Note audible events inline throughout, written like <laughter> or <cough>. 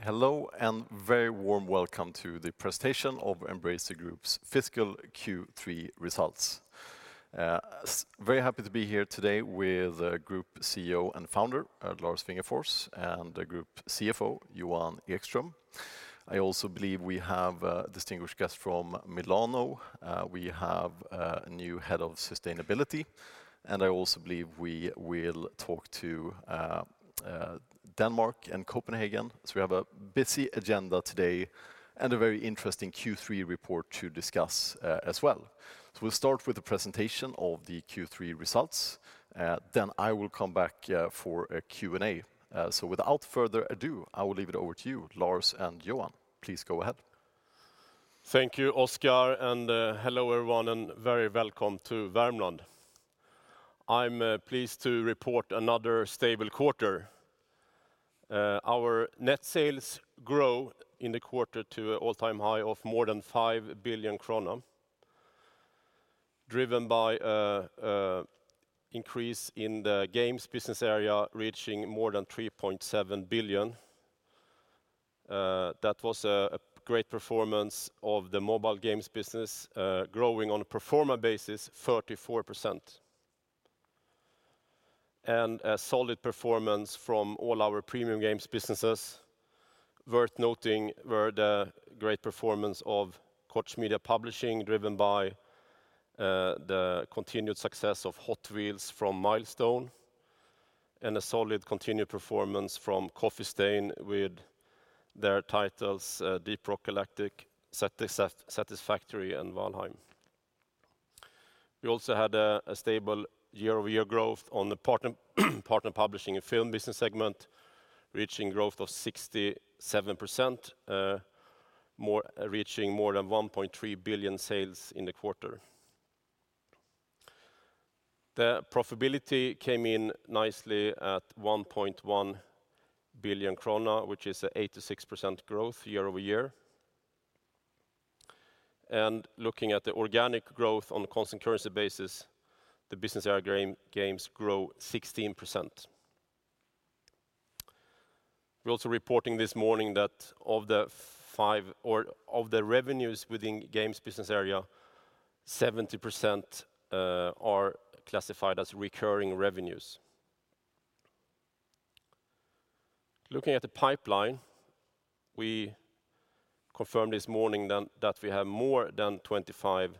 Hello, and very warm welcome to the presentation of Embracer Group's fiscal Q3 results. Very happy to be here today with Group CEO and Founder, Lars Wingefors, and Group CFO, Johan Ekström. I also believe we have a distinguished guest from Milano. We have a new head of sustainability, and I also believe we will talk to Denmark and Copenhagen. We have a busy agenda today and a very interesting Q3 report to discuss, as well. We'll start with a presentation of the Q3 results, then I will come back for a Q&A. Without further ado, I will leave it over to you, Lars and Johan. Please go ahead. Thank you, Oscar, and hello everyone, and very welcome to Värmland. I'm pleased to report another stable quarter. Our net sales grow in the quarter to an all-time high of more than 5 billion kronor, driven by an increase in the games business area, reaching more than 3.7 billion. That was a great performance of the mobile games business, growing on a pro forma basis 34%. A solid performance from all our premium games businesses. Worth noting were the great performance of Koch Media Publishing, driven by the continued success of Hot Wheels from Milestone, and a solid continued performance from Coffee Stain with their titles, Deep Rock Galactic, Satisfactory, and Valheim. We also had a stable year-over-year growth on the Partner Publishing and film business segment, reaching 67% growth, reaching more than 1.3 billion in sales in the quarter. The profitability came in nicely at 1.1 billion krona, which is an 86% growth year-over-year. Looking at the organic growth on a constant currency basis, the business area games grow 16%. We're also reporting this morning that 70% of the revenues within Games business area are classified as recurring revenues. Looking at the pipeline, we confirmed this morning that we have more than 25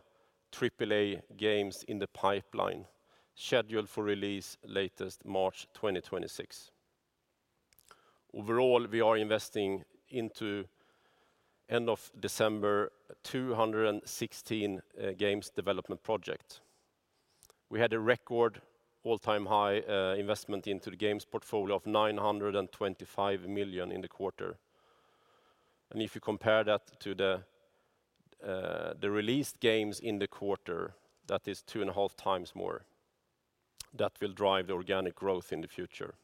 AAA games in the pipeline scheduled for release latest March 2026. Overall, we have 216 game development projects as of end of December. We had a record all-time high investment into the games portfolio of 925 million in the quarter. If you compare that to the released games in the quarter, that is two and a half times more. That will drive the organic growth in the future.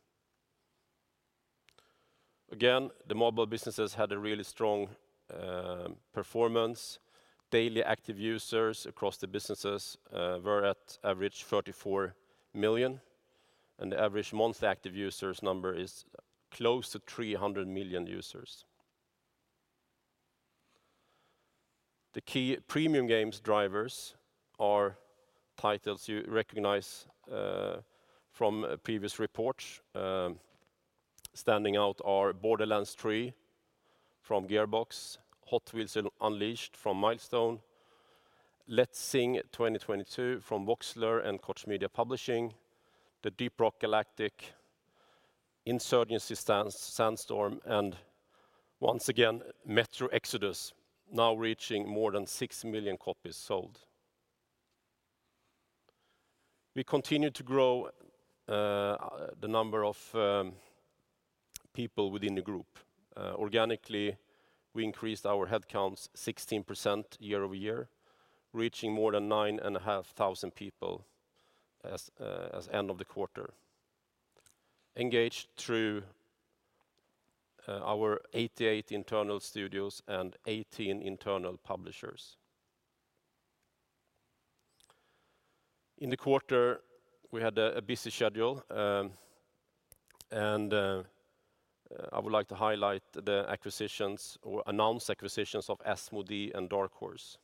The mobile businesses had a really strong performance. Daily active users across the businesses were at average 34 million, and the average monthly active users number is close to 300 million users. The key premium games drivers are titles you recognize from previous reports. Standing out are Borderlands 3 from Gearbox, Hot Wheels Unleashed from Milestone, Let's Sing 2022 from Voxler and Koch Media Publishing, Deep Rock Galactic, Insurgency: Sandstorm, and once again, Metro Exodus, now reaching more than 6 million copies sold. We continue to grow the number of people within the group. Organically, we increased our headcounts 16% year-over-year, reaching more than 9,500 people as of the end of the quarter, engaged through our 88 internal studios and 18 internal publishers. In the quarter, we had a busy schedule, and I would like to highlight the acquisitions and announced acquisitions of Asmodee and Dark Horse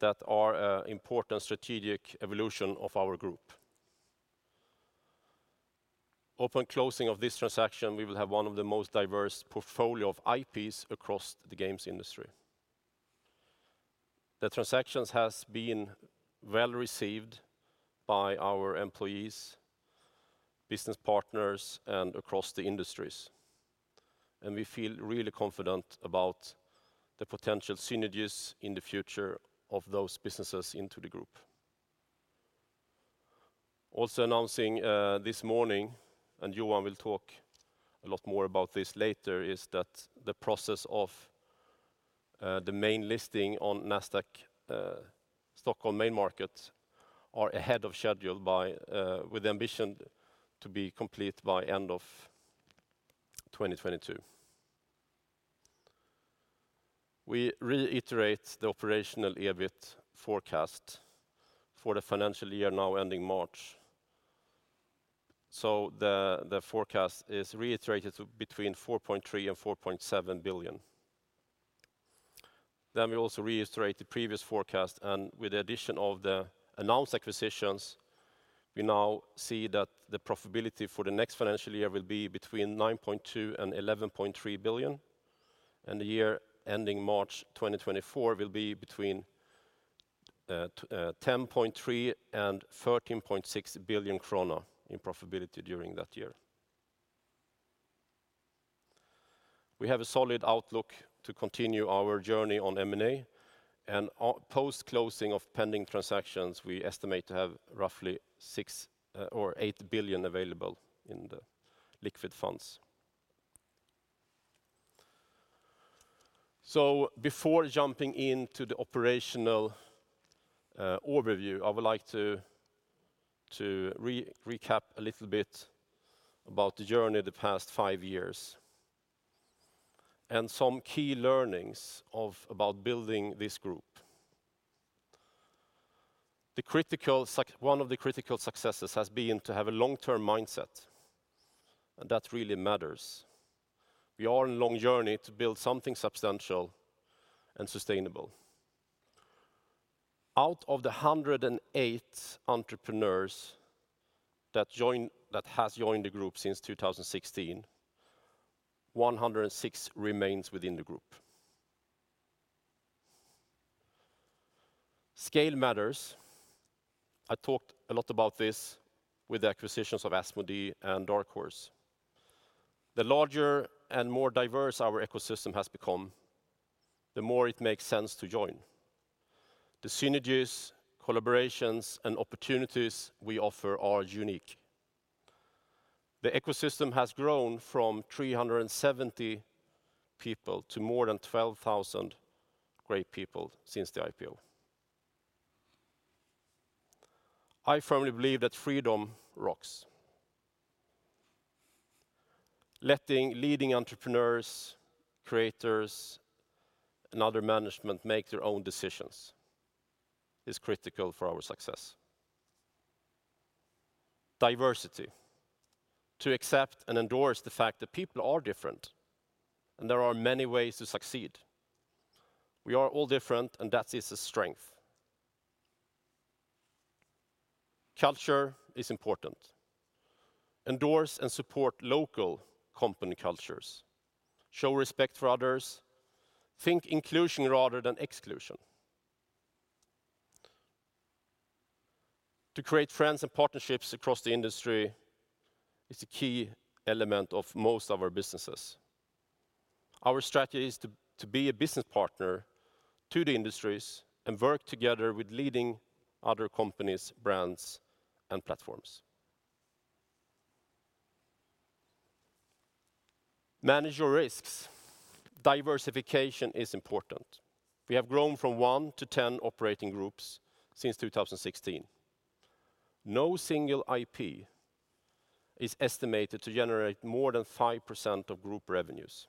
that are an important strategic evolution of our group. Upon closing of this transaction, we will have one of the most diverse portfolios of IPs across the games industry. The transactions have been well-received by our employees, business partners, and across the industries, and we feel really confident about the potential synergies in the future of those businesses into the group. Also announcing this morning, and Johan will talk a lot more about this later, is that the process of the main listing on Nasdaq Stockholm main market are ahead of schedule by with the ambition to be complete by end of 2022. We reiterate the operational EBIT forecast for the financial year now ending March. The forecast is reiterated to between 4.3 billion and 4.7 billion. We also reiterate the previous forecast, and with the addition of the announced acquisitions, we now see that the profitability for the next financial year will be between 9.2 billion and 11.3 billion, and the year ending March 2024 will be between 10.3 billion and 13.6 billion kronor in profitability during that year. We have a solid outlook to continue our journey on M&A, and post-closing of pending transactions, we estimate to have roughly 6 billion or 8 billion available in the liquid funds. Before jumping into the operational overview, I would like to recap a little bit about the journey the past five years and some key learnings about building this group. One of the critical successes has been to have a long-term mindset, and that really matters. We are on a long journey to build something substantial and sustainable. Out of the 108 entrepreneurs that has joined the group since 2016, 106 remains within the group. Scale matters. I talked a lot about this with the acquisitions of Asmodee and Dark Horse. The larger and more diverse our ecosystem has become, the more it makes sense to join. The synergies, collaborations, and opportunities we offer are unique. The ecosystem has grown from 370 people to more than 12,000 great people since the IPO. I firmly believe that freedom rocks. Letting leading entrepreneurs, creators, and other management make their own decisions is critical for our success. Diversity to accept and endorse the fact that people are different, and there are many ways to succeed. We are all different, and that is a strength. Culture is important. Endorse and support local company cultures. Show respect for others. Think inclusion rather than exclusion. To create friends and partnerships across the industry is a key element of most of our businesses. Our strategy is to be a business partner to the industries and work together with leading other companies, brands, and platforms. Manage your risks. Diversification is important. We have grown from 1 to 10 operating groups since 2016. No single IP is estimated to generate more than 5% of group revenues.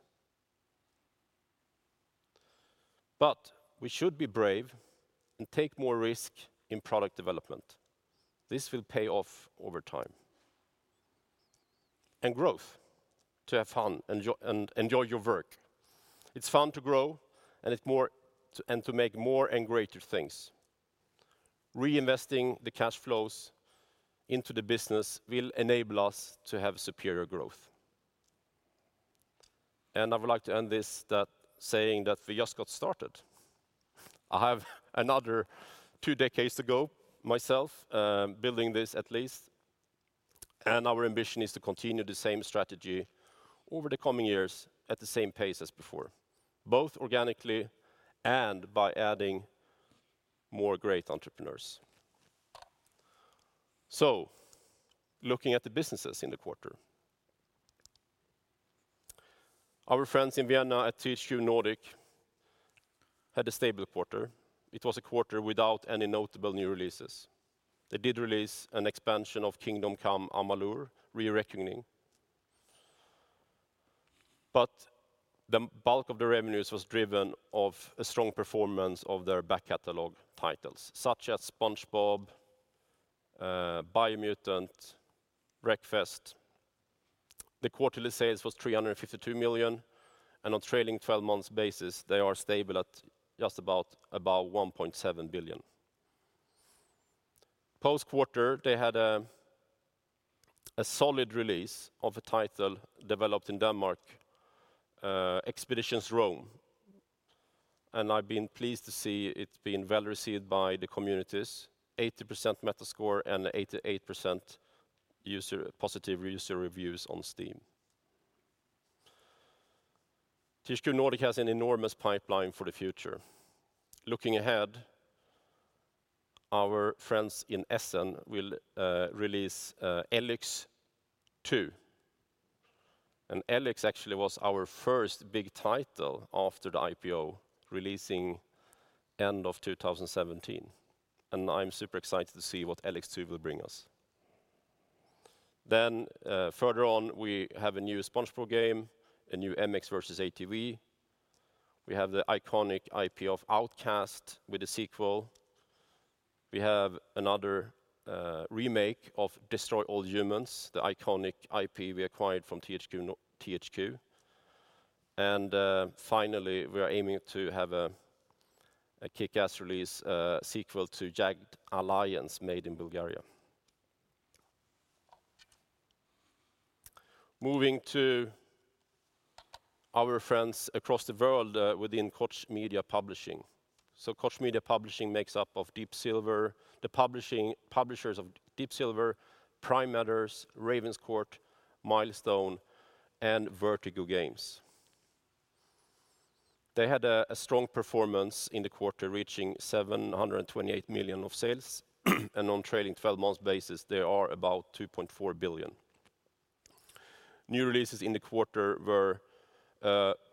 We should be brave and take more risk in product development. This will pay off over time. Growth, to have fun and enjoy your work. It's fun to grow and to make more and greater things. Reinvesting the cash flows into the business will enable us to have superior growth. I would like to end this saying that we just got started. I have another two decades to go myself, building this at least, and our ambition is to continue the same strategy over the coming years at the same pace as before, both organically and by adding more great entrepreneurs. Looking at the businesses in the quarter. Our friends in Vienna at THQ Nordic had a stable quarter. It was a quarter without any notable new releases. They did release an expansion of Kingdoms of Amalur: Re-Reckoning. The bulk of the revenues was driven by a strong performance of their back catalog titles, such as SpongeBob, Biomutant, Wreckfest. The quarterly sales was 352 million, and on trailing twelve months basis, they are stable at just about 1.7 billion. Post-quarter, they had a solid release of a title developed in Denmark, Expeditions: Rome, and I've been pleased to see it's been well-received by the communities, 80% Metascore and 88% positive user reviews on Steam. THQ Nordic has an enormous pipeline for the future. Looking ahead, our friends in Essen will release ELEX II, and ELEX actually was our first big title after the IPO, releasing end of 2017, and I'm super excited to see what ELEX II will bring us. Further on, we have a new SpongeBob game, a new MX vs. ATV. We have the iconic IP of Outcast with a sequel. We have another remake of Destroy All Humans!, the iconic IP we acquired from THQ. Finally, we are aiming to have a kickass release, sequel to Jagged Alliance made in Bulgaria. Moving to our friends across the world, within Koch Media Publishing. Koch Media Publishing makes up of Deep Silver, the publishers of Deep Silver, Prime Matter, Ravenscourt, Milestone, and Vertigo Games. They had a strong performance in the quarter, reaching 728 million of sales. On trailing twelve months basis, they are about 2.4 billion. New releases in the quarter were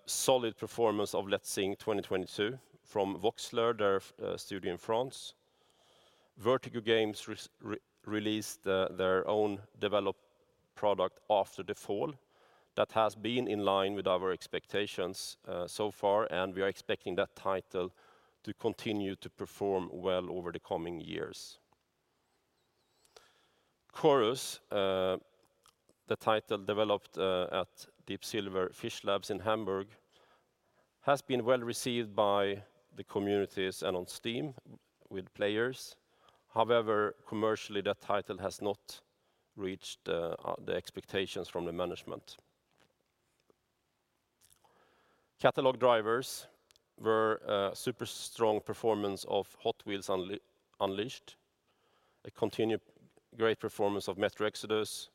solid performance of Let's Sing 2022 from Voxler, their studio in France. Vertigo Games re-released their own developed product, After the Fall. That has been in line with our expectations so far, and we are expecting that title to continue to perform well over the coming years. Chorus, the title developed at Deep Silver Fishlabs in Hamburg, has been well received by the communities and on Steam with players. However, commercially, that title has not reached the expectations from the management. Catalog drivers were a super strong performance of Hot Wheels Unleashed, a continued great performance of Metro Exodus,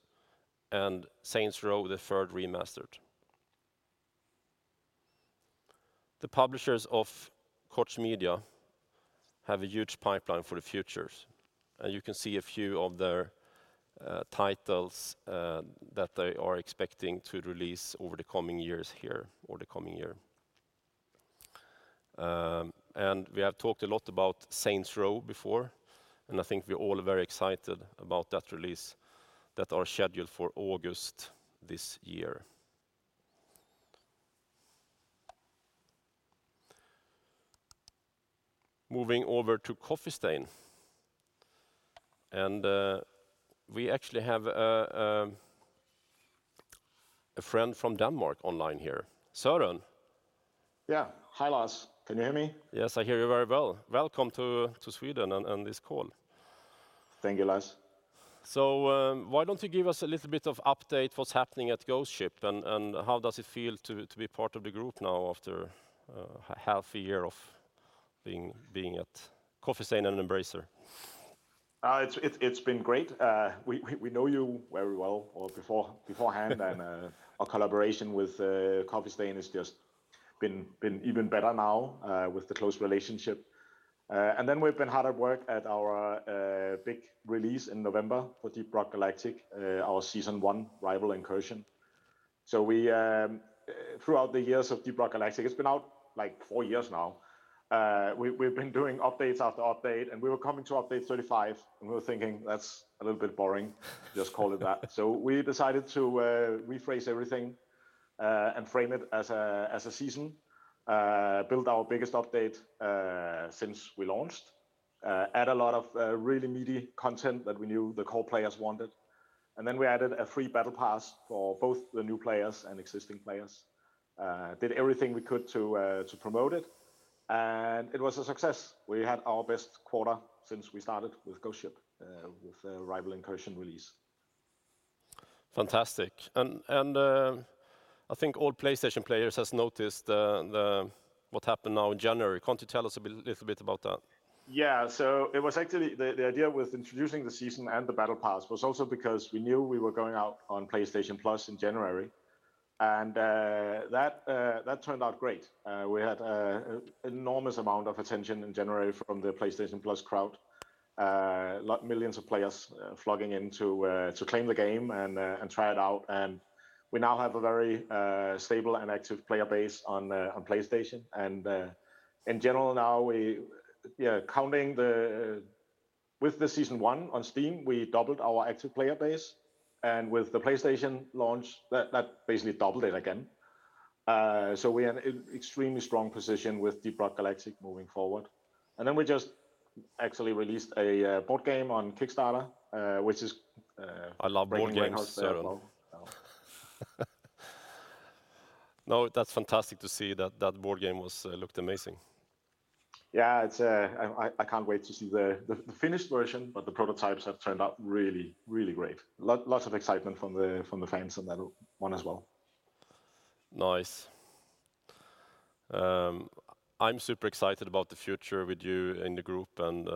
and Saints Row: The Third Remastered. The publishers of Koch Media have a huge pipeline for the future, and you can see a few of their titles that they are expecting to release over the coming years here or the coming year. We have talked a lot about Saints Row before, and I think we're all very excited about that release that are scheduled for August this year. Moving over to Coffee Stain. We actually have a friend from Denmark online here. Søren? Yeah. Hi, Lars. Can you hear me? Yes, I hear you very well. Welcome to Sweden and this call. Thank you, Lars. Why don't you give us a little bit of an update on what's happening at Ghost Ship and how does it feel to be part of the group now after half a year of being at Coffee Stain and Embracer? It's been great. We know you very well beforehand. Our collaboration with Coffee Stain has just been even better now with the close relationship. We've been hard at work at our big release in November for Deep Rock Galactic, our Season 1: Rival Incursion. Throughout the years of Deep Rock Galactic, it's been out, like, four years now. We've been doing updates after update, and we were coming to update 35, and we were thinking, "That's a little bit boring." "Just call it that." We decided to rephrase everything and frame it as a season. We built our biggest update since we launched, added a lot of really meaty content that we knew the core players wanted, and then we added a free battle pass for both the new players and existing players. Did everything we could to promote it, and it was a success. We had our best quarter since we started with Ghost Ship, with the Rival Incursion release. I think all PlayStation players has noticed what happened now in January. Can't you tell us a little bit about that? Yeah. It was actually the idea with introducing the season and the battle pass was also because we knew we were going out on PlayStation Plus in January, and that turned out great. We had enormous amount of attention in January from the PlayStation Plus crowd. Millions of players flocking in to claim the game and try it out. We now have a very stable and active player base on PlayStation. In general now, with the season one on Steam, we doubled our active player base. With the PlayStation launch, that basically doubled it again. We have extremely strong position with Deep Rock Galactic moving forward. We just actually released a board game on Kickstarter, which is I love board games, Søren. <crosstalk> No, that's fantastic to see. That board game looked amazing. Yeah. It's I can't wait to see the finished version, but the prototypes have turned out really great. Lots of excitement from the fans on that one as well. Nice. I'm super excited about the future with you in the group and,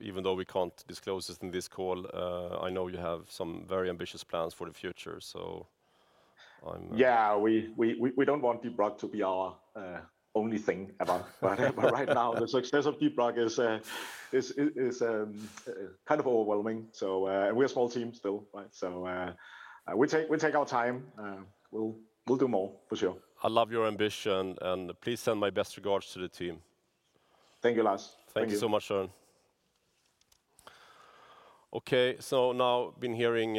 even though we can't disclose this in this call, I know you have some very ambitious plans for the future. I'm- Yeah. We don't want Deep Rock to be our only thing ever. Right now, the success of Deep Rock is kind of overwhelming. We're a small team still, right? We take our time. We'll do more for sure. I love your ambition, and please send my best regards to the team. Thank you, Lars. Thank you. Thank you so much, Søren. Okay, now we've been hearing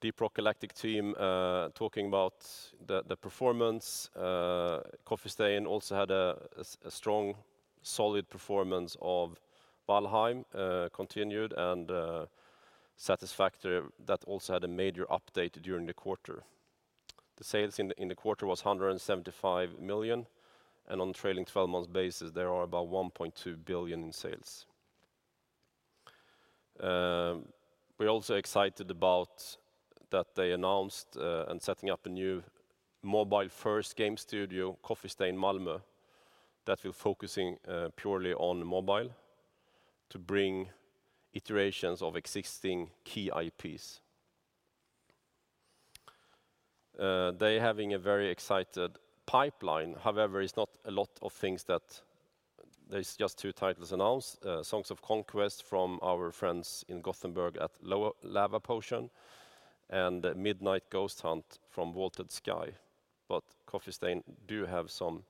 Deep Rock Galactic team talking about the performance. Coffee Stain also had a strong, solid performance of Valheim continued and Satisfactory. That also had a major update during the quarter. The sales in the quarter was 175 million, and on trailing twelve months basis, there are about 1.2 billion in sales. We're also excited about that they announced and setting up a new mobile-first game studio, Coffee Stain Malmö, that will focusing purely on mobile to bring iterations of existing key IPs. They having a very excited pipeline. However, it's not a lot of things that... There's just two titles announced, Songs of Conquest from our friends in Gothenburg at Lavapotion, and Midnight Ghost Hunt from Vaulted Sky. Coffee Stain do have some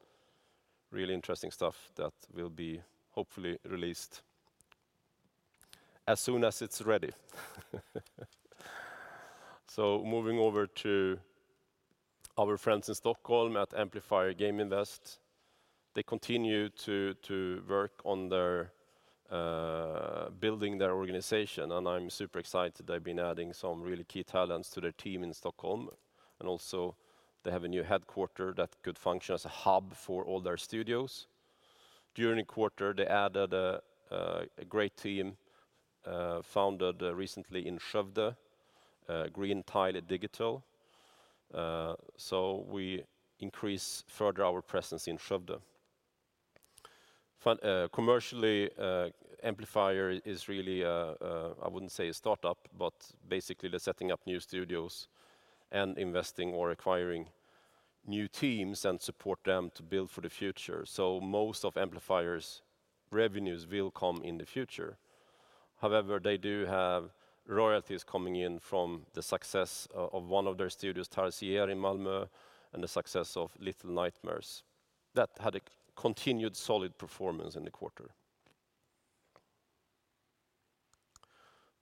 really interesting stuff that will be hopefully released as soon as it's ready. Moving over to our friends in Stockholm at Amplifier Game Invest. They continue to work on building their organization, and I'm super excited they've been adding some really key talents to their team in Stockholm. They also have a new headquarters that could function as a hub for all their studios. During the quarter, they added a great team founded recently in Skövde, Green Tile Digital. We increase further our presence in Skövde. Commercially, Amplifier is really a, I wouldn't say a startup, but basically they're setting up new studios and investing or acquiring new teams and support them to build for the future. Most of Amplifier's revenues will come in the future. However, they do have royalties coming in from the success of one of their studios, Tarsier Studios in Malmö, and the success of Little Nightmares. That had a continued solid performance in the quarter.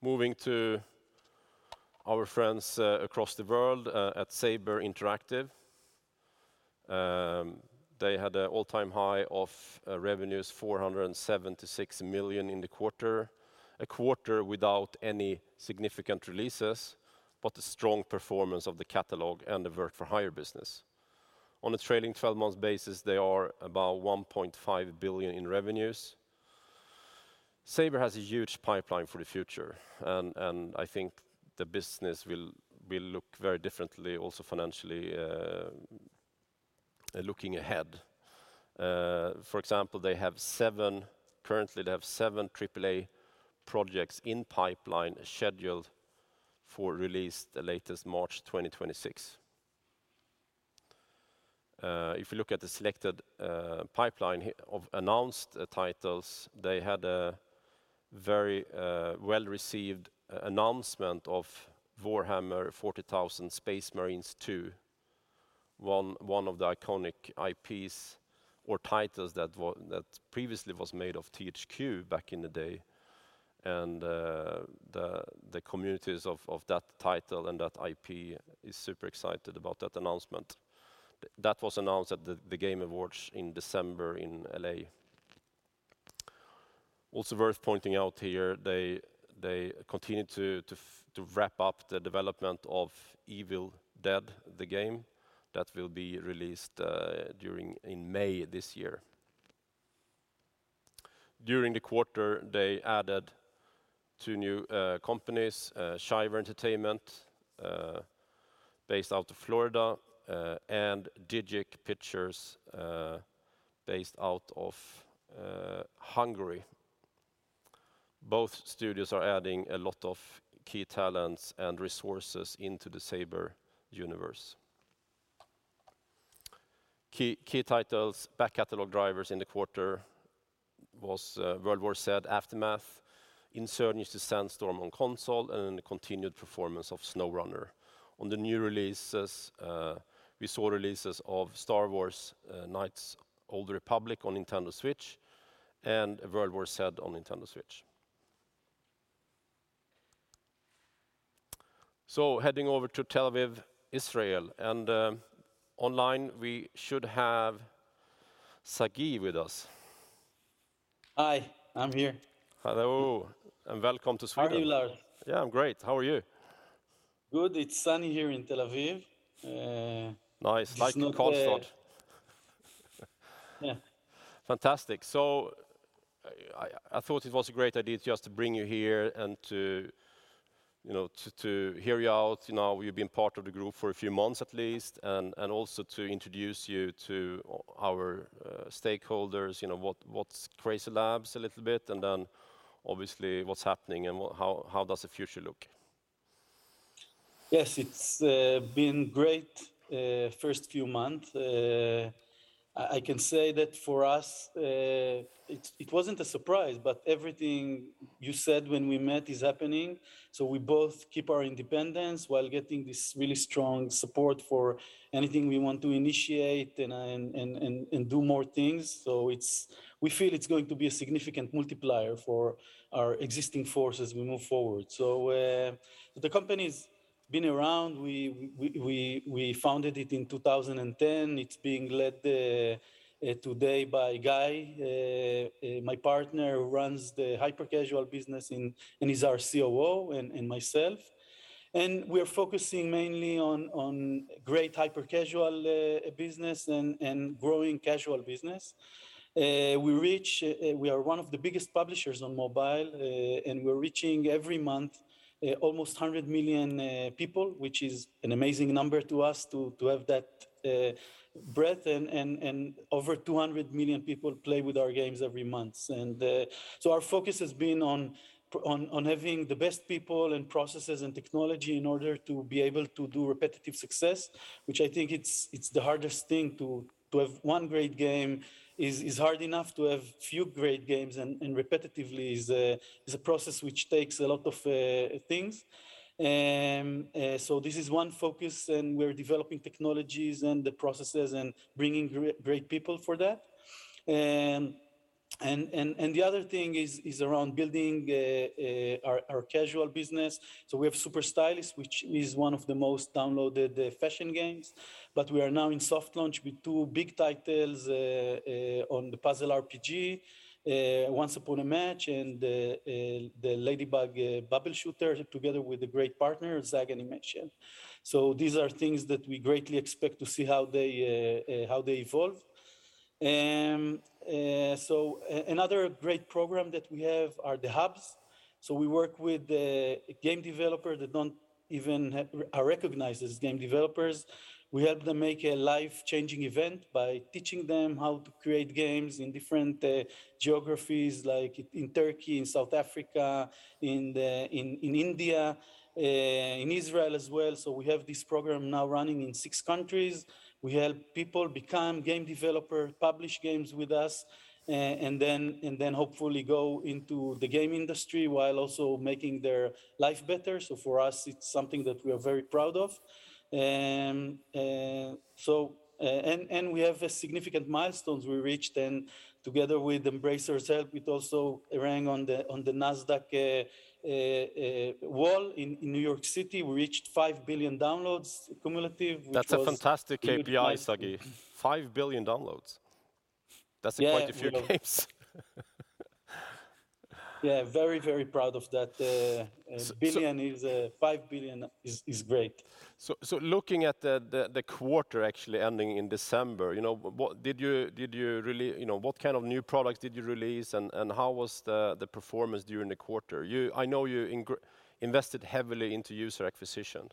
Moving to our friends across the world at Saber Interactive. They had an all-time high of revenues, 476 million in the quarter. A quarter without any significant releases, but a strong performance of the catalog and the work for hire business. On a trailing twelve months basis, they are about 1.5 billion in revenues. Saber has a huge pipeline for the future and I think the business will look very differently also financially looking ahead. For example, they have seven AAA projects in pipeline scheduled for release the latest March 2026. If you look at the selected pipeline here of announced titles, they had a very well-received announcement of Warhammer 40,000: Space Marine 2, one of the iconic IPs or titles that previously was made by THQ back in the day, and the communities of that title and that IP is super excited about that announcement. That was announced at The Game Awards in December in L.A. Also worth pointing out here, they continue to wrap up the development of Evil Dead: The Game that will be released in May this year. During the quarter, they added two new companies, Shiver Entertainment based out of Florida and DIGIC Pictures based out of Hungary. Both studios are adding a lot of key talents and resources into the Saber universe. Key titles, back catalog drivers in the quarter was World War Z: Aftermath, Insurgency: Sandstorm on console, and then the continued performance of SnowRunner. On the new releases, we saw releases of Star Wars: Knights of the Old Republic on Nintendo Switch and World War Z on Nintendo Switch. Heading over to Tel Aviv, Israel, and online, we should have Sagi with us. Hi, I'm here. Hello, and welcome to Sweden. How are you, Lars? Yeah, I'm great. How are you? Good. It's sunny here in Tel Aviv. Nice. Like in Karlstad It's not yeah. Fantastic. I thought it was a great idea just to bring you here and to you know to hear you out. You know, you've been part of the group for a few months at least, and also to introduce you to our stakeholders, you know, what's CrazyLabs a little bit, and then obviously what's happening and how does the future look? Yes, it's been great first few months. I can say that for us, it wasn't a surprise, but everything you said when we met is happening. We both keep our independence while getting this really strong support for anything we want to initiate and do more things. We feel it's going to be a significant multiplier for our existing force as we move forward. The company's been around. We founded it in 2010. It's being led today by Guy, my partner who runs the hyper-casual business and he's our COO and myself. We're focusing mainly on great hyper-casual business and growing casual business. We are one of the biggest publishers on mobile, and we're reaching every month almost 100 million people, which is an amazing number to us to have that breadth. Over 200 million people play with our games every month. Our focus has been on having the best people and processes and technology in order to be able to do repetitive success, which I think it's the hardest thing to have one great game is hard enough, to have a few great games and repetitively is a process which takes a lot of things. This is one focus, and we're developing technologies and the processes and bringing great people for that. The other thing is around building our casual business. We have Super Stylist, which is one of the most downloaded fashion games. We are now in soft launch with two big titles on the puzzle RPG, Once Upon a Match, and the Ladybug Bubble Shooter together with a great partner, ZAG Animation. These are things that we greatly expect to see how they evolve. Another great program that we have is the hubs. We work with game developers that are recognized as game developers. We help them make a life-changing event by teaching them how to create games in different geographies, like in Turkey, in South Africa, in India, in Israel as well. We have this program now running in 6 countries. We help people become game developer, publish games with us, and then hopefully go into the game industry while also making their life better. For us, it's something that we are very proud of. We have a significant milestones we reached, and together with Embracer's help, it also rang on the Nasdaq wall in New York City. We reached 5 billion downloads cumulative, which was- That's a fantastic KPI, Sagi. 5 billion downloads. Yeah. That's quite a few games. Yeah. Very, very proud of that. So, so- 5 billion is great. Looking at the quarter actually ending in December, you know, what kind of new products did you release and how was the performance during the quarter? I know you invested heavily into user acquisition.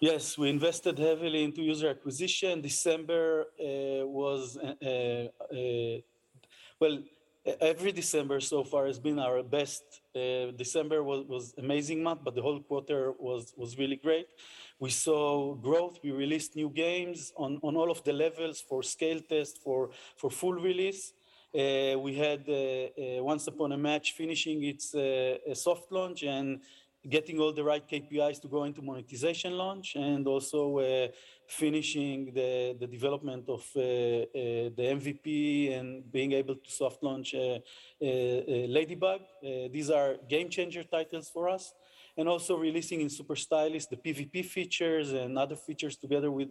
Yes. We invested heavily into user acquisition. December was an amazing month, but the whole quarter was really great. We saw growth. We released new games on all of the levels for scale test, for full release. We had Once Upon a Match finishing its soft launch and getting all the right KPIs to go into monetization launch, and also finishing the development of the MVP and being able to soft launch Ladybug. These are game changer titles for us. Also releasing in Super Stylist, the PVP features and other features together with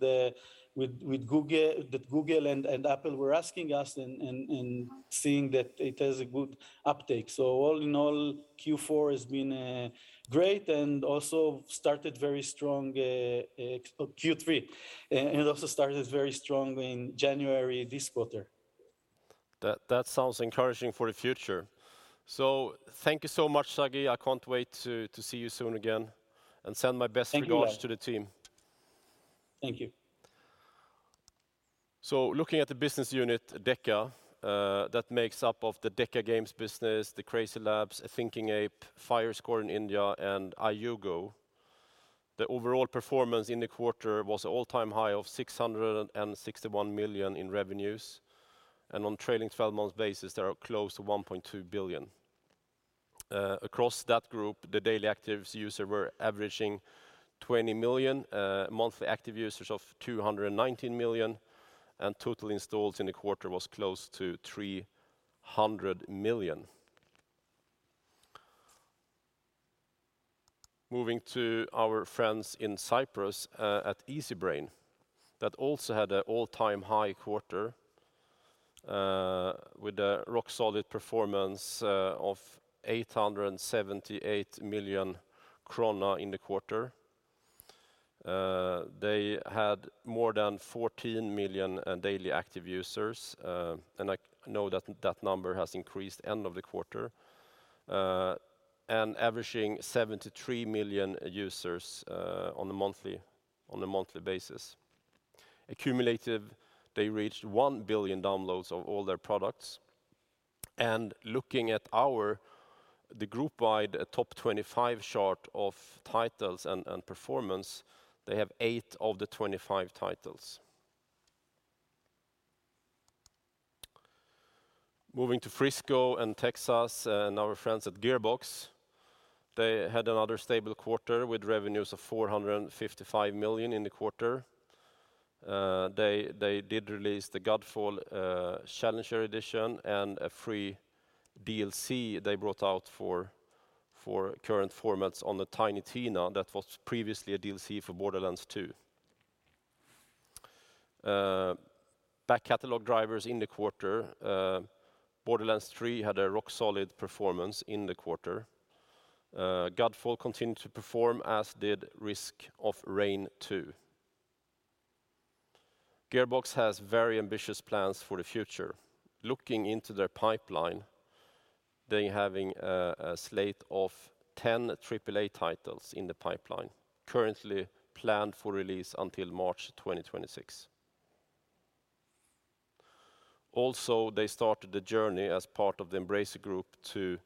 Google that Google and Apple were asking us and seeing that it has a good uptake. All in all, Q4 has been great and also started very strong, and Q1 also started very strongly in January this quarter. That sounds encouraging for the future. Thank you so much, Sagi. I can't wait to see you soon again and send my best- Thank you. Regards to the team. Thank you. Looking at the business unit, DECA, that makes up the DECA Games business, the CrazyLabs, A Thinking Ape, Firescore in India, and IUGO. The overall performance in the quarter was all-time high of 661 million in revenues, and on trailing twelve months basis, they are close to 1.2 billion. Across that group, the daily active users were averaging 20 million, monthly active users of 219 million, and total installs in the quarter was close to 300 million. Moving to our friends in Cyprus, at Easybrain, that also had an all-time high quarter, with a rock solid performance, of 878 million krona in the quarter. They had more than 14 million daily active users, and I know that number has increased end of the quarter. Averaging 73 million users on a monthly basis. Accumulatively, they reached 1 billion downloads of all their products. Looking at our group-wide top 25 chart of titles and performance, they have eight of the 25 titles. Moving to Frisco, Texas, and our friends at Gearbox, they had another stable quarter with revenues of 455 million in the quarter. They did release the Godfall: Challenger Edition and a free DLC they brought out for current formats on the Tiny Tina that was previously a DLC for Borderlands 2. Back catalog drivers in the quarter, Borderlands 3 had a rock solid performance in the quarter. Godfall continued to perform as did Risk of Rain 2. Gearbox has very ambitious plans for the future. Looking into their pipeline, they're having a slate of 10 AAA titles in the pipeline currently planned for release until March 2026. They started the journey as part of the Embracer Group to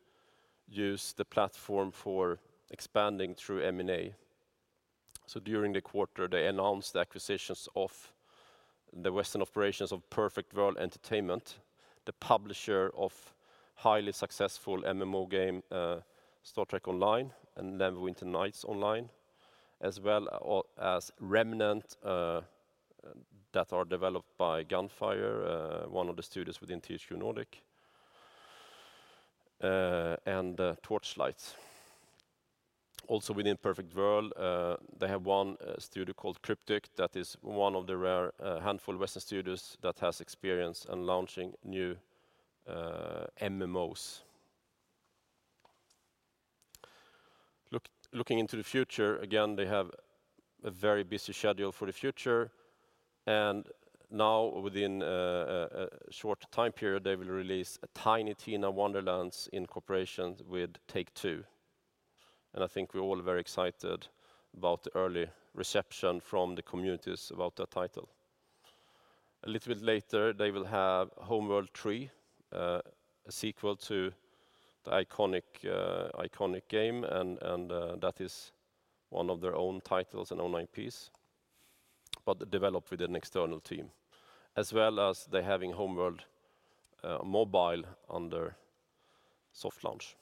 use the platform for expanding through M&A. During the quarter, they announced the acquisitions of the Western operations of Perfect World Entertainment, the publisher of highly successful MMO game, Star Trek Online and Neverwinter, as well as Remnant that are developed by Gunfire, one of the studios within THQ Nordic and Torchlight. Within Perfect World, they have one studio called Cryptic that is one of the rare handful Western studios that has experience in launching new MMOs. Looking into the future, again, they have a very busy schedule for the future, and now within a short time period, they will release Tiny Tina's Wonderlands in cooperation with Take-Two. I think we're all very excited about the early reception from the communities about that title. A little bit later, they will have Homeworld 3, a sequel to the iconic game and that is one of their own titles and online piece, but developed with an external team. As well as they're having Homeworld Mobile on their soft launch.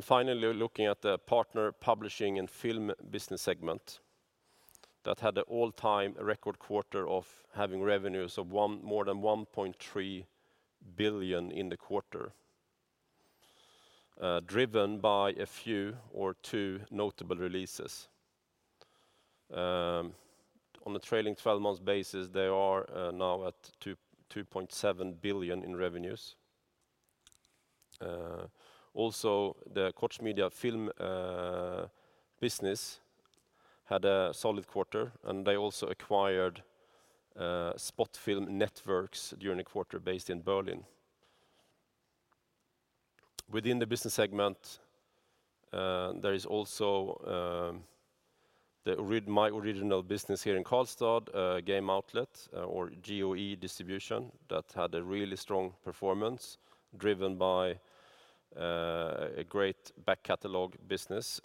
Finally, looking at the partner publishing and film business segment that had an all-time record quarter of having revenues of more than 1.3 billion in the quarter, driven by a few or two notable releases. On the trailing twelve months basis, they are now at 2.7 billion in revenues. Also, the Koch Media film business had a solid quarter, and they also acquired Spotfilm Networx during the quarter based in Berlin. Within the business segment, there is also my original business here in Karlstad, Game Outlet Europe or GOE Distribution, that had a really strong performance driven by a great back catalog business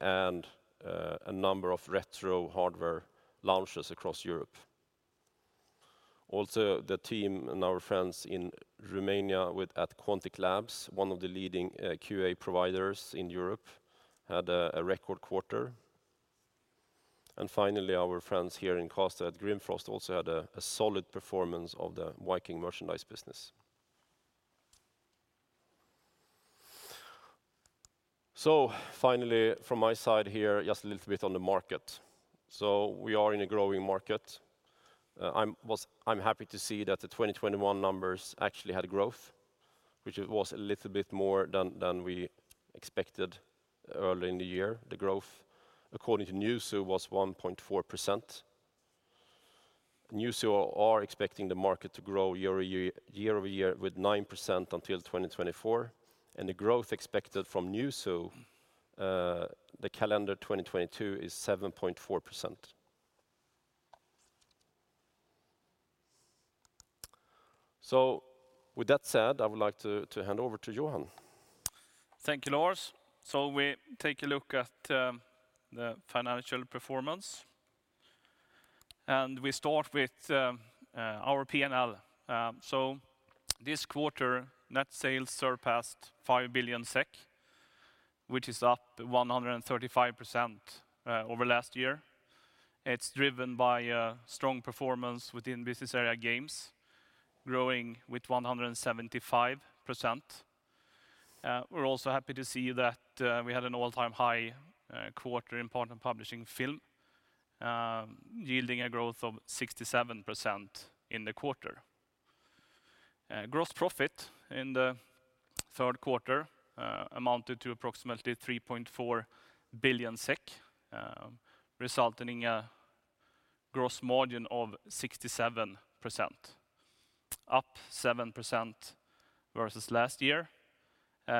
and a number of retro hardware launches across Europe. Also, the team and our friends in Romania at Quantic Lab, one of the leading QA providers in Europe, had a record quarter. Finally, our friends here in Karlstad, Grimfrost, also had a solid performance of the Viking merchandise business. Finally, from my side here, just a little bit on the market. We are in a growing market. I'm happy to see that the 2021 numbers actually had growth, which was a little bit more than we expected early in the year. The growth, according to Newzoo, was 1.4%. Newzoo are expecting the market to grow year-over-year with 9% until 2024, and the growth expected from Newzoo, the calendar 2022 is 7.4%. With that said, I would like to hand over to Johan. Thank you, Lars. We take a look at the financial performance, and we start with our P&L. This quarter, net sales surpassed 5 billion SEK, which is up 135% over last year. It's driven by a strong performance within business area games, growing with 175%. We're also happy to see that we had an all-time high quarter in partner publishing film, yielding a growth of 67% in the quarter. Gross profit in the third quarter amounted to approximately 3.4 billion SEK, resulting a gross margin of 67%, up 7% versus last year.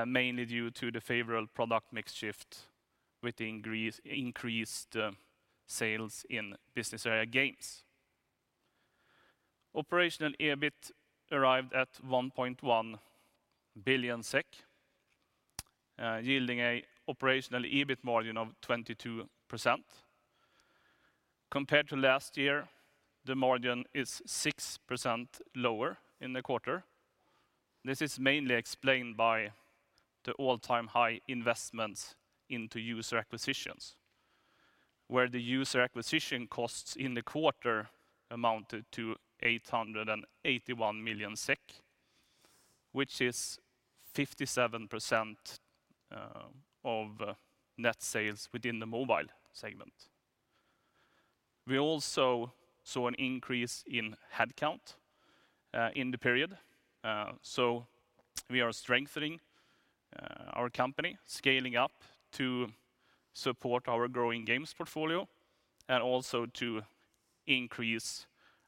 Mainly due to the favorable product mix shift with increased sales in business area games. Operational EBIT arrived at 1.1 billion SEK, yielding an operational EBIT margin of 22%. Compared to last year, the margin is 6% lower in the quarter. This is mainly explained by the all-time high investments into user acquisitions, where the user acquisition costs in the quarter amounted to 881 million SEK, which is 57% of net sales within the mobile segment. We also saw an increase in headcount in the period. So we are strengthening our company, scaling up to support our growing games portfolio and also to increase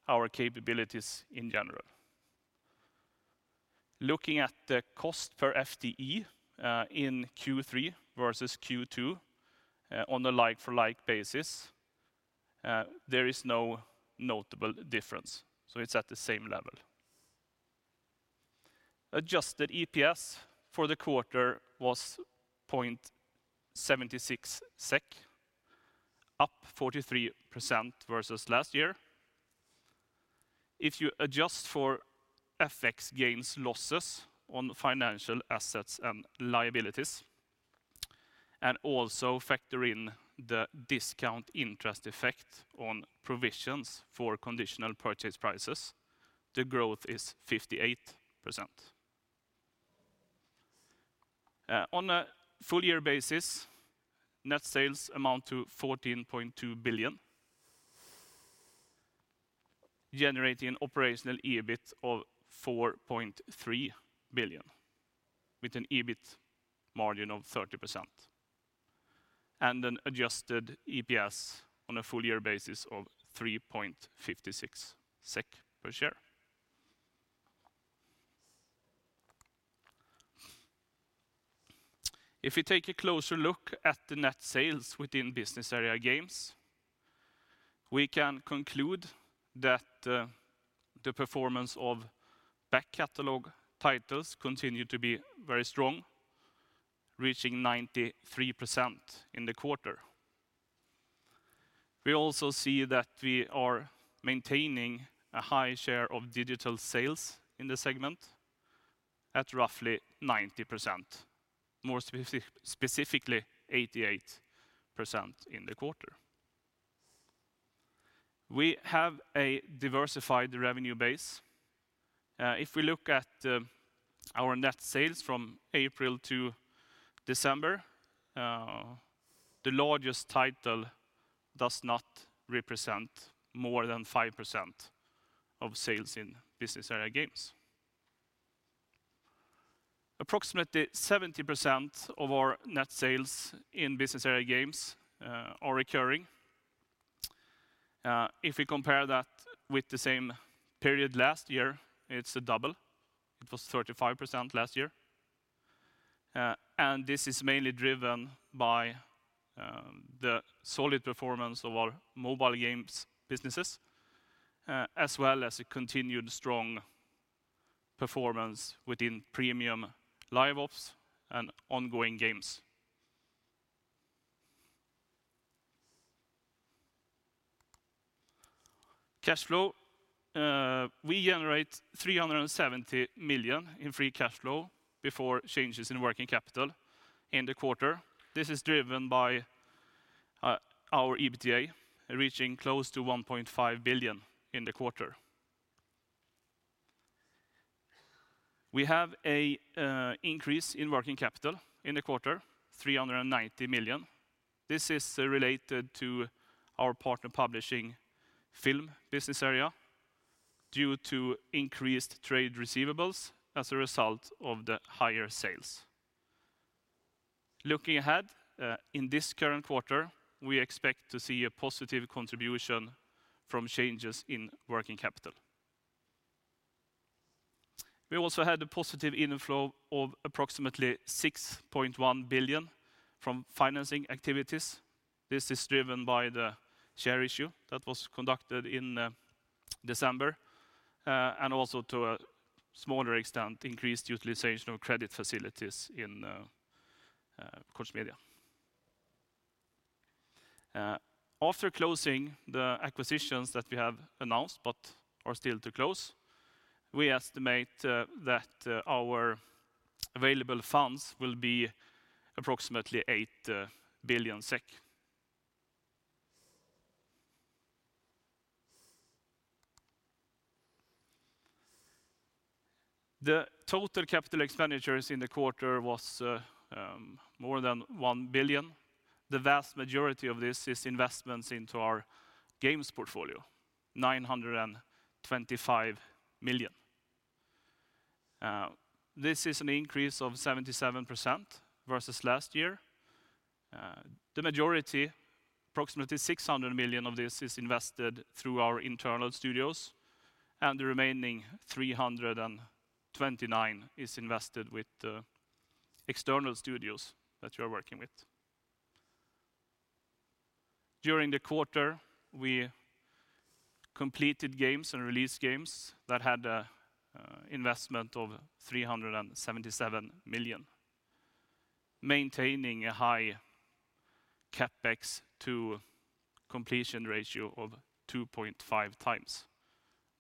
our capabilities in general. Looking at the cost per FTE in Q3 versus Q2 on the like-for-like basis, there is no notable difference, so it's at the same level. Adjusted EPS for the quarter was 0.76 SEK, up 43% versus last year. If you adjust for FX gains losses on financial assets and liabilities, and also factor in the discount interest effect on provisions for conditional purchase prices, the growth is 58%. On a full year basis, net sales amount to 14.2 billion, generating operational EBIT of 4.3 billion, with an EBIT margin of 30%, and an adjusted EPS on a full year basis of 3.56 SEK per share. If you take a closer look at the net sales within business area games, we can conclude that the performance of back catalog titles continue to be very strong, reaching 93% in the quarter. We also see that we are maintaining a high share of digital sales in this segment at roughly 90%, specifically 88% in the quarter. We have a diversified revenue base. If we look at our net sales from April to December, the largest title does not represent more than 5% of sales in business area games. Approximately 70% of our net sales in business area games are recurring. If we compare that with the same period last year, it's double. It was 35% last year. This is mainly driven by the solid performance of our mobile games businesses, as well as a continued strong performance within premium live ops and ongoing games. Cash flow. We generate 370 million in free cash flow before changes in working capital in the quarter. This is driven by our EBITDA reaching close to 1.5 billion in the quarter. We have an increase in working capital in the quarter, 390 million. This is related to our Partner Publishing film business area due to increased trade receivables as a result of the higher sales. Looking ahead, in this current quarter, we expect to see a positive contribution from changes in working capital. We also had a positive inflow of approximately 6.1 billion from financing activities. This is driven by the share issue that was conducted in December, and also to a smaller extent, increased utilization of credit facilities in Koch Media. After closing the acquisitions that we have announced but are still to close, we estimate that our available funds will be approximately SEK 8 billion. The total capital expenditures in the quarter was more than 1 billion. The vast majority of this is investments into our games portfolio, 925 million. This is an increase of 77% versus last year. The majority, approximately 600 million of this, is invested through our internal studios, and the remaining 329 is invested with external studios that you're working with. During the quarter, we completed games and released games that had an investment of 377 million, maintaining a high CapEx to completion ratio of 2.5 times,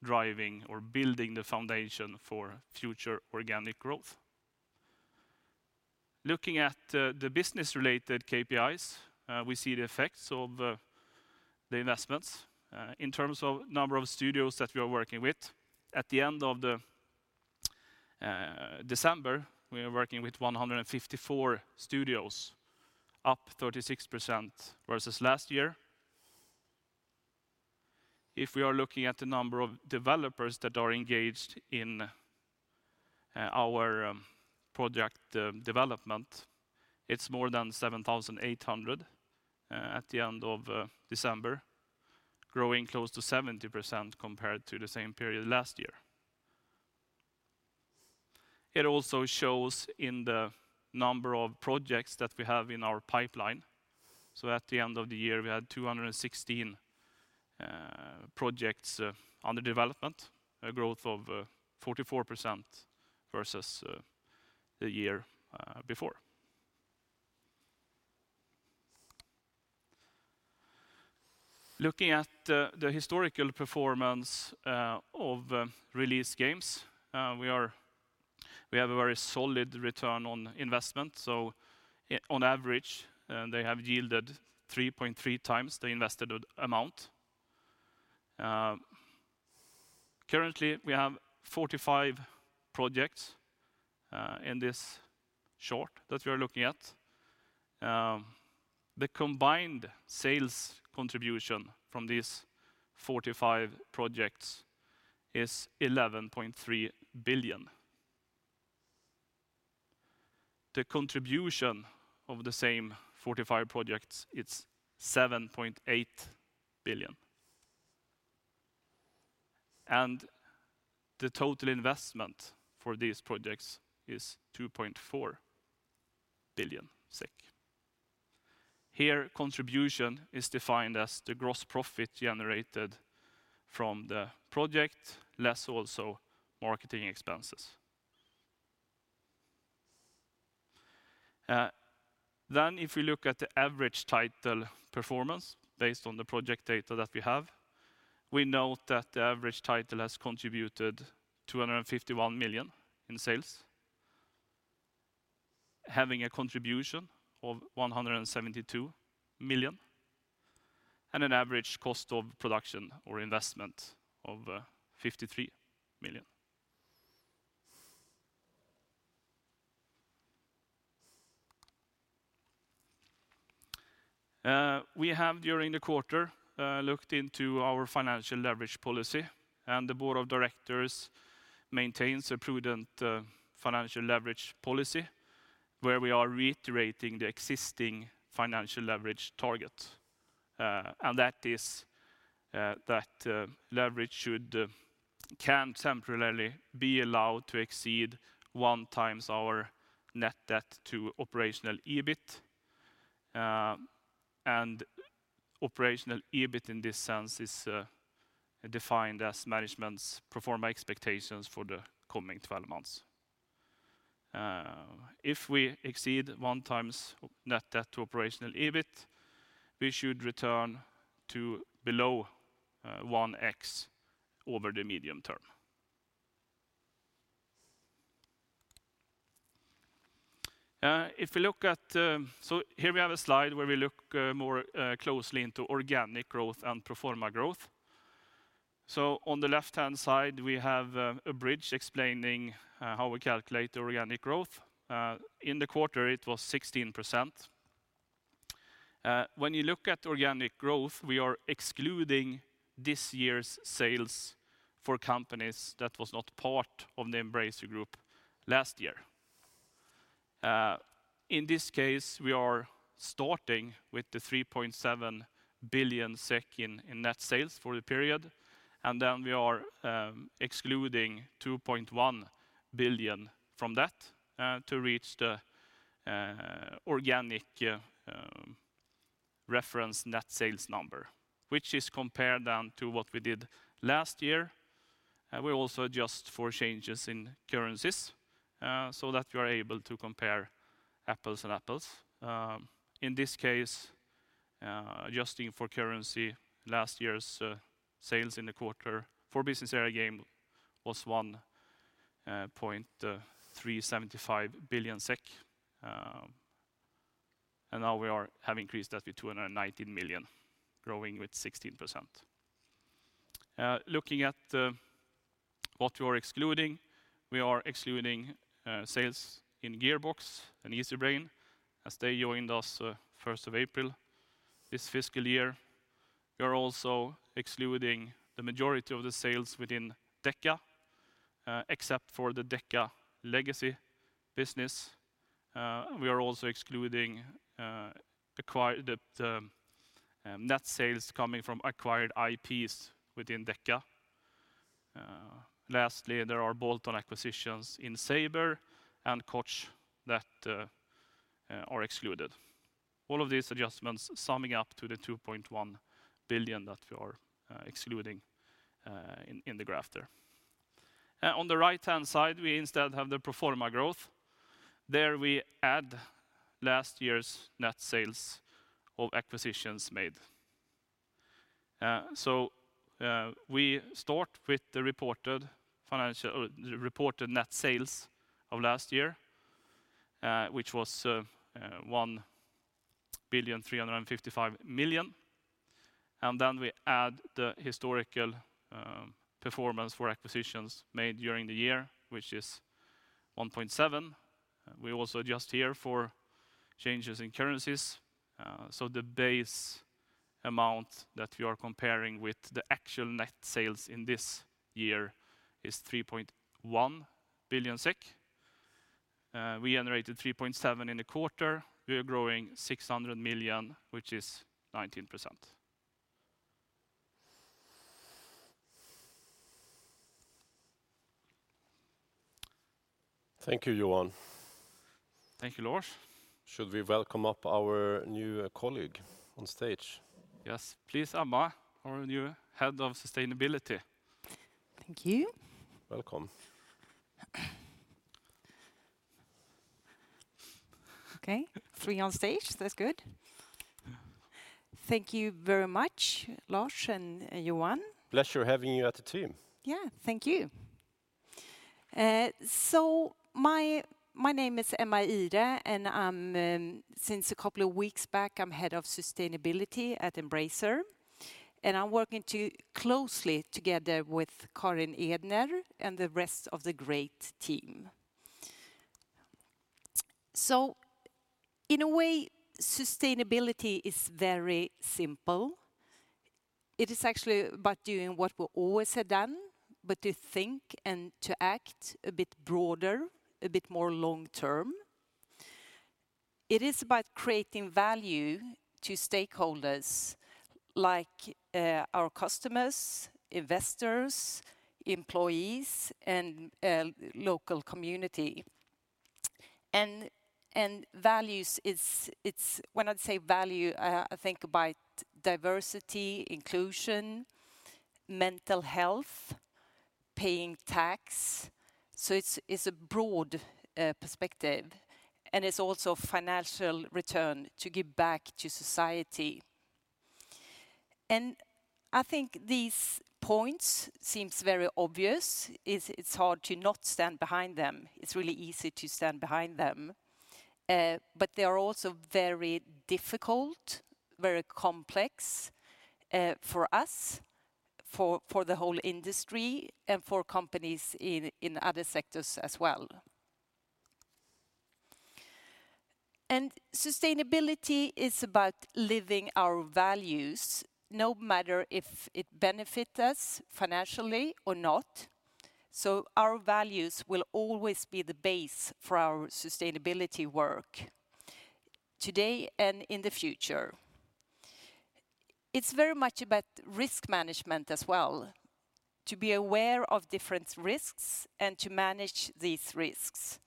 driving or building the foundation for future organic growth. Looking at the business-related KPIs, we see the effects of the investments in terms of number of studios that we are working with. At the end of December, we are working with 154 studios, up 36% versus last year. If we are looking at the number of developers that are engaged in our project development, it's more than 7,800 at the end of December, growing close to 70% compared to the same period last year. It also shows in the number of projects that we have in our pipeline. At the end of the year, we had 216 projects under development, a growth of 44% versus the year before. Looking at the historical performance of release games, we have a very solid return on investment, on average, they have yielded 3.3 times the invested amount. Currently, we have 45 projects in this chart that we are looking at. The combined sales contribution from these 45 projects is SEK 11.3 billion. The contribution of the same 45 projects, it's SEK 7.8 billion. The total investment for these projects is 2.4 billion SEK. Here, contribution is defined as the gross profit generated from the project, less also marketing expenses. If you look at the average title performance based on the project data that we have, we note that the average title has contributed 251 million in sales, having a contribution of 172 million, and an average cost of production or investment of 53 million. We have, during the quarter, looked into our financial leverage policy, and the board of directors maintains a prudent financial leverage policy, where we are reiterating the existing financial leverage target. Leverage can temporarily be allowed to exceed 1x our net debt to operational EBIT. Operational EBIT in this sense is defined as management's pro forma expectations for the coming 12 months. If we exceed 1x net debt to operational EBIT, we should return to below 1x over the medium term. Here we have a slide where we look more closely into organic growth and pro forma growth. On the left-hand side, we have a bridge explaining how we calculate organic growth. In the quarter, it was 16%. When you look at organic growth, we are excluding this year's sales for companies that was not part of the Embracer Group last year. In this case, we are starting with the 3.7 billion SEK in net sales for the period, and then we are excluding 2.1 billion from that to reach the organic reference net sales number, which is compared down to what we did last year. We also adjust for changes in currencies so that we are able to compare apples and apples. In this case, adjusting for currency, last year's sales in the quarter for Business Area Game was 1.375 billion SEK, and now we have increased that to 290 million, growing with 16%. Looking at what we are excluding, we are excluding sales in Gearbox and Easybrain, as they joined us first of April this fiscal year. We are also excluding the majority of the sales within DECA. Except for the DECA legacy business, we are also excluding acquired net sales coming from acquired IPs within DECA. Lastly, there are bolt-on acquisitions in Saber and Koch that are excluded. All of these adjustments summing up to 2.1 billion that we are excluding in the graph there. On the right-hand side, we instead have the pro forma growth. There we add last year's net sales of acquisitions made. We start with the reported net sales of last year, which was 1.355 billion, and then we add the historical performance for acquisitions made during the year, which is 1.7 billion. We also adjust here for changes in currencies, so the base amount that we are comparing with the actual net sales in this year is 3.1 billion SEK. We generated 3.7 billion in the quarter. We are growing 600 million, which is 19%. Thank you, Johan. Thank you, Lars. Should we welcome up our new colleague on stage? Yes. Please, Emma, our new Head of Sustainability. Thank you. Welcome. Okay. Three on stage. That's good. Thank you very much, Lars and Johan. leasure having you on the team. Yeah. Thank you. My name is Emma Ihre, and I'm, since a couple of weeks back, I'm head of sustainability at Embracer, and I'm working closely together with Karin Edner and the rest of the great team. In a way, sustainability is very simple. It is actually about doing what we always have done, but to think and to act a bit broader, a bit more long-term. It is about creating value to stakeholders like our customers, investors, employees, and local community. And values. It's. When I say value, I think about diversity, inclusion, mental health, paying tax. It's a broad perspective, and it's also financial return to give back to society. I think these points seems very obvious. It's hard to not stand behind them. It's really easy to stand behind them. They are also very difficult, very complex, for us, for the whole industry, and for companies in other sectors as well. Sustainability is about living our values, no matter if it benefit us financially or not. Our values will always be the base for our sustainability work today and in the future. It's very much about risk management as well, to be aware of different risks and to manage these risks.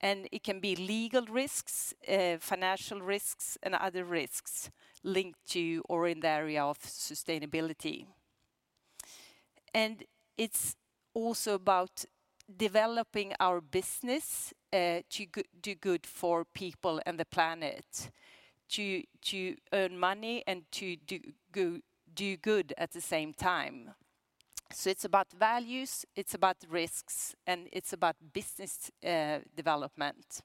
It can be legal risks, financial risks, and other risks linked to or in the area of sustainability. It's also about developing our business, to do good for people and the planet, to earn money and to do good at the same time. It's about values, it's about risks, and it's about business development.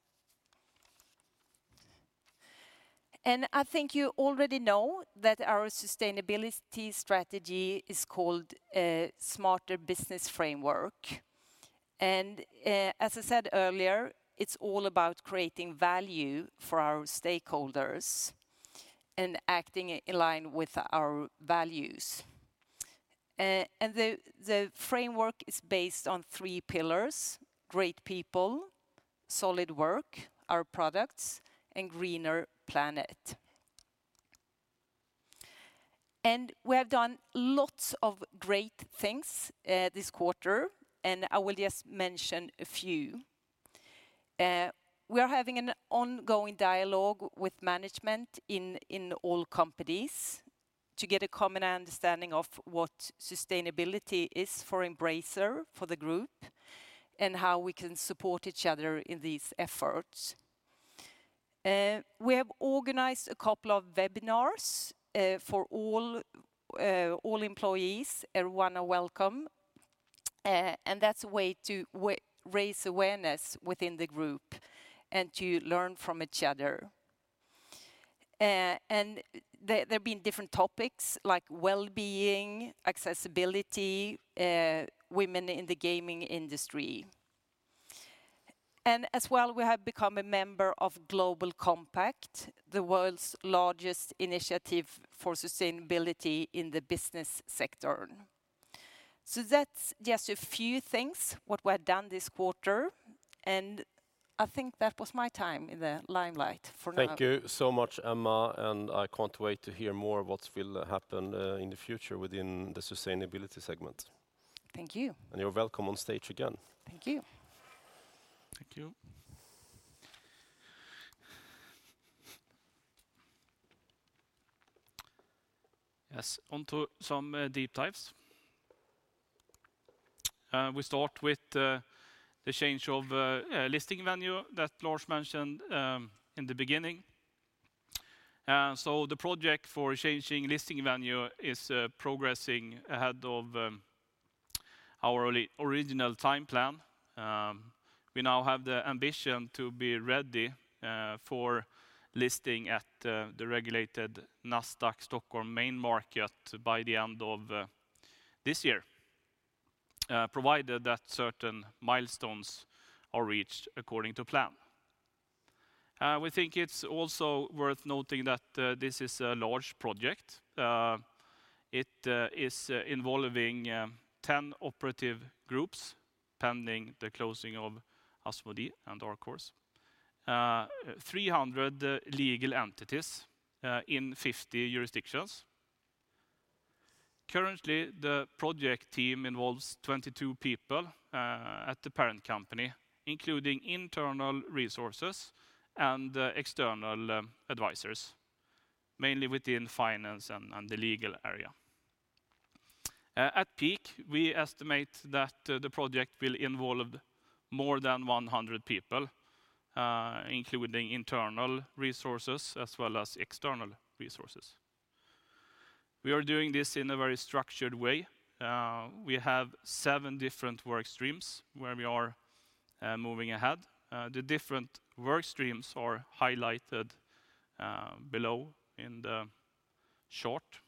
I think you already know that our sustainability strategy is called Smarter Business Framework. As I said earlier, it's all about creating value for our stakeholders and acting in line with our values. The framework is based on three pillars: great people, solid work, our products, and greener planet. We have done lots of great things this quarter, and I will just mention a few. We are having an ongoing dialogue with management in all companies to get a common understanding of what sustainability is for Embracer, for the group, and how we can support each other in these efforts. We have organized a couple of webinars for all employees. Everyone are welcome. That's a way to raise awareness within the group and to learn from each other. here have been different topics like well-being, accessibility, women in the gaming industry. As well, we have become a member of Global Compact, the world's largest initiative for sustainability in the business sector. That's just a few things what we have done this quarter, and I think that was my time in the limelight for now. Thank you so much, Emma, and I can't wait to hear more of what will happen in the future within the sustainability segment. Thank you. You're welcome on stage again. Thank you. Thank you. Yes, onto some deep dives. We start with the change of listing venue that Lars mentioned in the beginning. The project for changing listing venue is progressing ahead of our original time plan. We now have the ambition to be ready for listing at the regulated Nasdaq Stockholm Main Market by the end of this year, provided that certain milestones are reached according to plan. We think it's also worth noting that this is a large project. It is involving 10 operative groups pending the closing of Asmodee and Dark Horse. 300 legal entities in 50 jurisdictions. Currently, the project team involves 22 people at the parent company, including internal resources and external advisors, mainly within finance and the legal area. At peak, we estimate that the project will involve more than 100 people, including internal resources as well as external resources. We are doing this in a very structured way. We have 7 different work streams where we are moving ahead. The different work streams are highlighted below in the chart.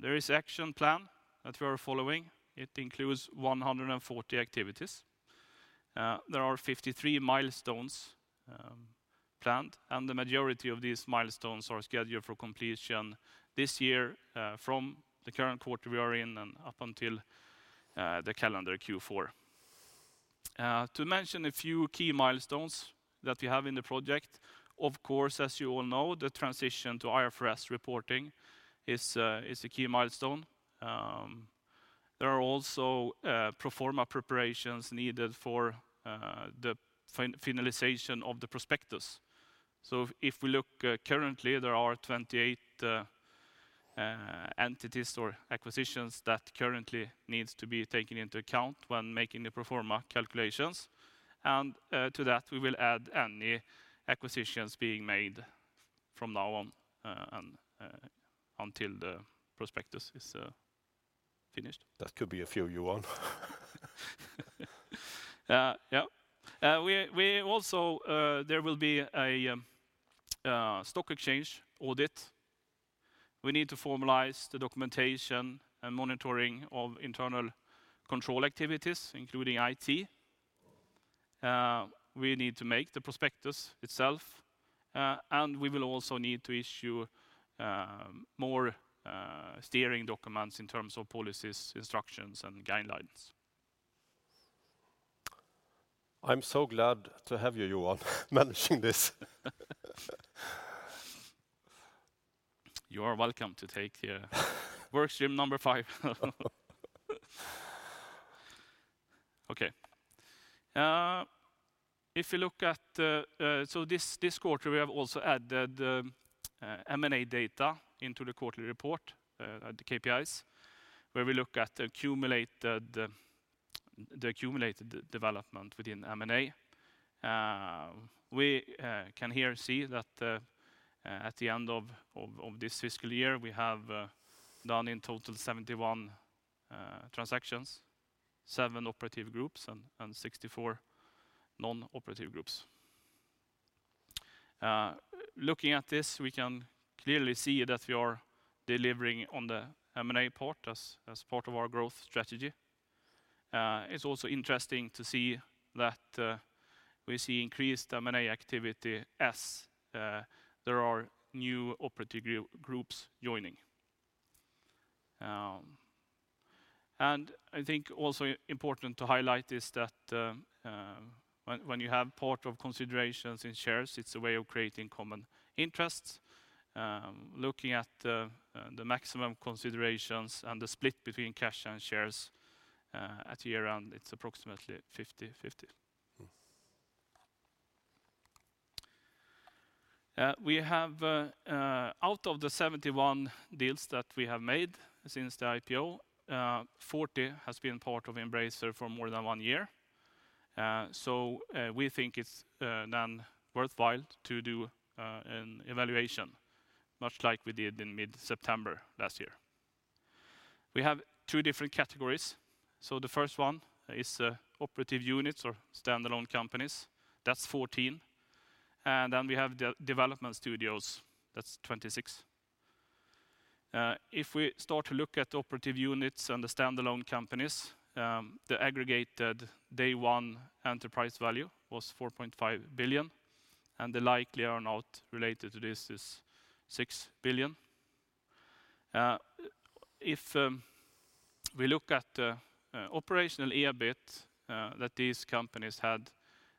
There is an action plan that we are following. It includes 140 activities. There are 53 milestones planned, and the majority of these milestones are scheduled for completion this year, from the current quarter we are in and up until the calendar Q4. To mention a few key milestones that we have in the project, of course, as you all know, the transition to IFRS reporting is a key milestone. There are also pro forma preparations needed for the finalization of the prospectus. If we look currently, there are 28 entities or acquisitions that currently needs to be taken into account when making the pro forma calculations. To that, we will add any acquisitions being made from now on and until the prospectus is finished. That could be a few, Johan. There will be a stock exchange audit. We need to formalize the documentation and monitoring of internal control activities, including IT. We need to make the prospectus itself, and we will also need to issue more steering documents in terms of policies, instructions, and guidelines. I'm so glad to have you, Johan, managing this. You are welcome to take work stream number five. Okay. If you look at this quarter, we have also added M&A data into the quarterly report at the KPIs, where we look at the accumulated development within M&A. We can here see that at the end of this fiscal year, we have done in total 71 transactions, seven operative groups and 64 non-operative groups. Looking at this, we can clearly see that we are delivering on the M&A part as part of our growth strategy. It's also interesting to see that we see increased M&A activity as there are new operative groups joining. I think also important to highlight is that, when you have part of considerations in shares, it's a way of creating common interests. Looking at the maximum considerations and the split between cash and shares at year-end, it's approximately 50-50. We have out of the 71 deals that we have made since the IPO, 40 has been part of Embracer for more than one year. We think it's then worthwhile to do an evaluation, much like we did in mid-September last year. We have two different categories. The first one is operative units or standalone companies. That's 14. Then we have development studios. That's 26. If we start to look at operative units and the standalone companies, the aggregated day one enterprise value was 4.5 billion, and the likely earn-out related to this is 6 billion. If we look at operational EBIT that these companies had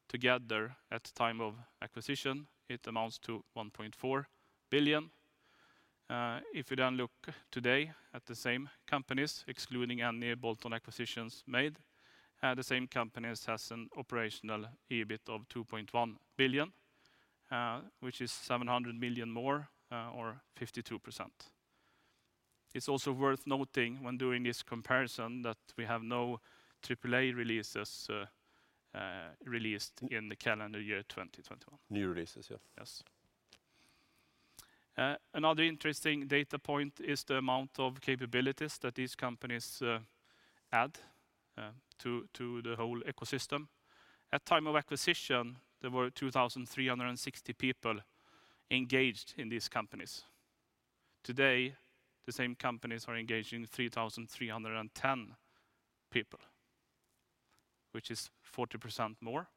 together at the time of acquisition, it amounts to 1.4 billion. If you then look today at the same companies, excluding any bolt-on acquisitions made, the same companies has an operational EBIT of 2.1 billion, which is 700 million more, or 52%. It's also worth noting when doing this comparison that we have no AAA releases released in the calendar year 2021. New releases, yeah. Yes. Another interesting data point is the amount of capabilities that these companies add to the whole ecosystem. At time of acquisition, there were 2,360 people engaged in these companies. Today, the same companies are engaging 3,310 people, which is 40% more.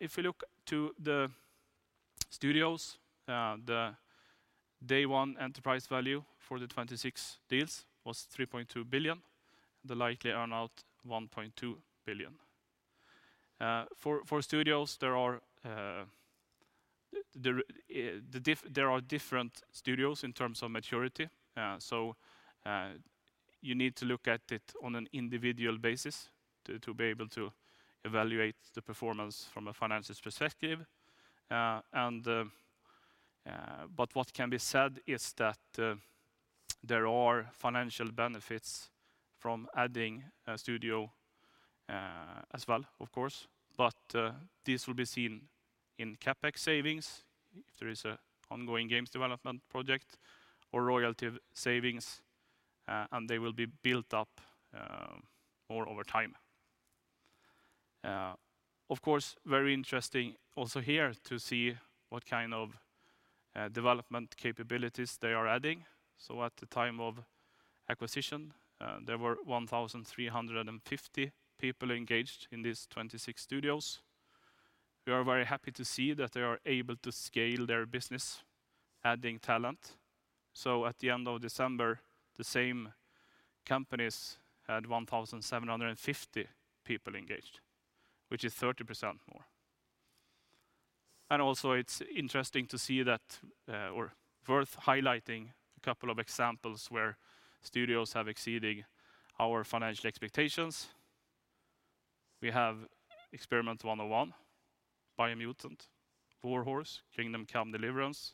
If you look to the studios, the day one enterprise value for the 26 deals was 3.2 billion, the likely earn-out 1.2 billion. For studios there are different studios in terms of maturity. So, you need to look at it on an individual basis to be able to evaluate the performance from a financial perspective. What can be said is that there are financial benefits from adding a studio, as well, of course. This will be seen in CapEx savings if there is an ongoing games development project or royalty savings, and they will be built up more over time. Of course, very interesting also here to see what kind of development capabilities they are adding. At the time of acquisition, there were 1,350 people engaged in these 26 studios. We are very happy to see that they are able to scale their business, adding talent. At the end of December, the same companies had 1,750 people engaged, which is 30% more. It's also interesting to see that, or worth highlighting a couple of examples where studios have exceeded our financial expectations. We have Experiment 101, Biomutant, Warhorse, Kingdom Come: Deliverance,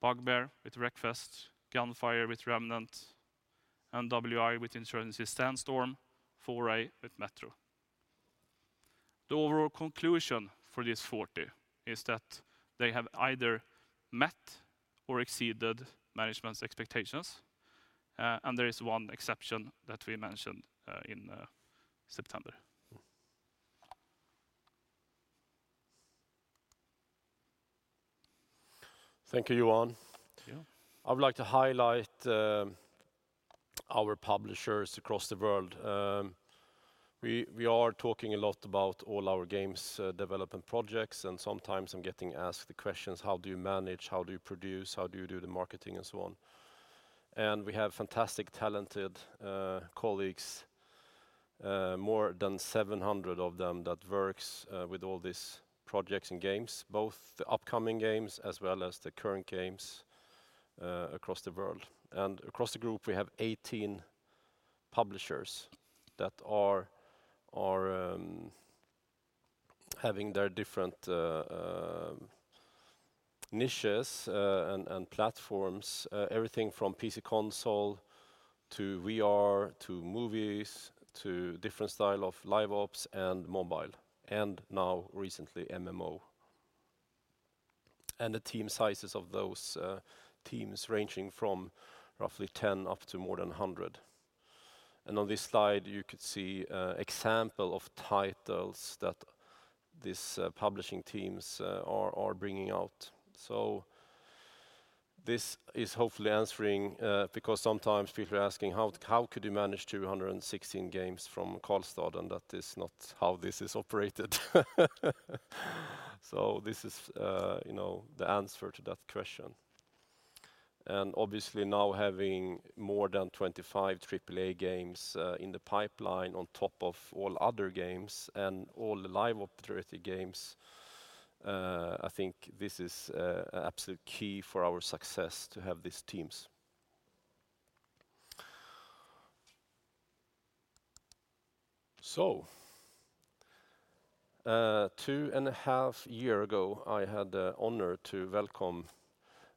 Bugbear with Wreckfest, Gunfire with Remnant, NWI with Insurgency: Sandstorm, 4A with Metro. The overall conclusion for these 40 is that they have either met or exceeded management's expectations. There is one exception that we mentioned in September. Thank you, Johan. Yeah. I would like to highlight our publishers across the world. We are talking a lot about all our games development projects, and sometimes I'm getting asked the questions. How do you manage? How do you produce? How do you do the marketing, and so on. We have fantastic, talented colleagues, more than 700 of them that works with all these projects and games, both the upcoming games as well as the current games, across the world. Across the group, we have 18 publishers that are having their different niches and platforms, everything from PC console to VR to movies to different style of live ops and mobile, and now recently MMO. The team sizes of those teams ranging from roughly 10 up to more than 100. On this slide, you could see an example of titles that these publishing teams are bringing out. This is hopefully answering, because sometimes people are asking, "How could you manage 216 games from Karlstad?" That is not how this is operated. This is, you know, the answer to that question. Obviously now having more than 25 AAA games in the pipeline on top of all other games and all the live operating games, I think this is an absolute key for our success to have these teams. Two and a half years ago, I had the honor to welcome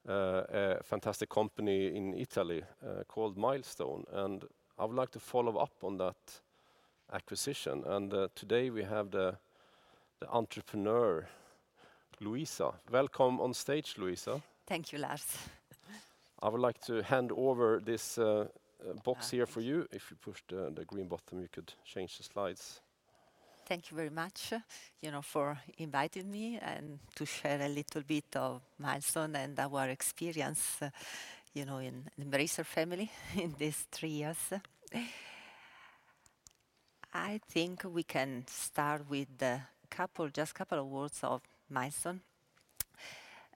a fantastic company in Italy called Milestone, and I would like to follow up on that acquisition. Today we have the entrepreneur, Luisa. Welcome on stage, Luisa. Thank you, Lars. I would like to hand over this box here for you. If you push the green button, you could change the slides. Thank you very much, you know, for inviting me and to share a little bit of Milestone and our experience, you know, in the Embracer Group family in these three years. I think we can start with just couple of words of Milestone.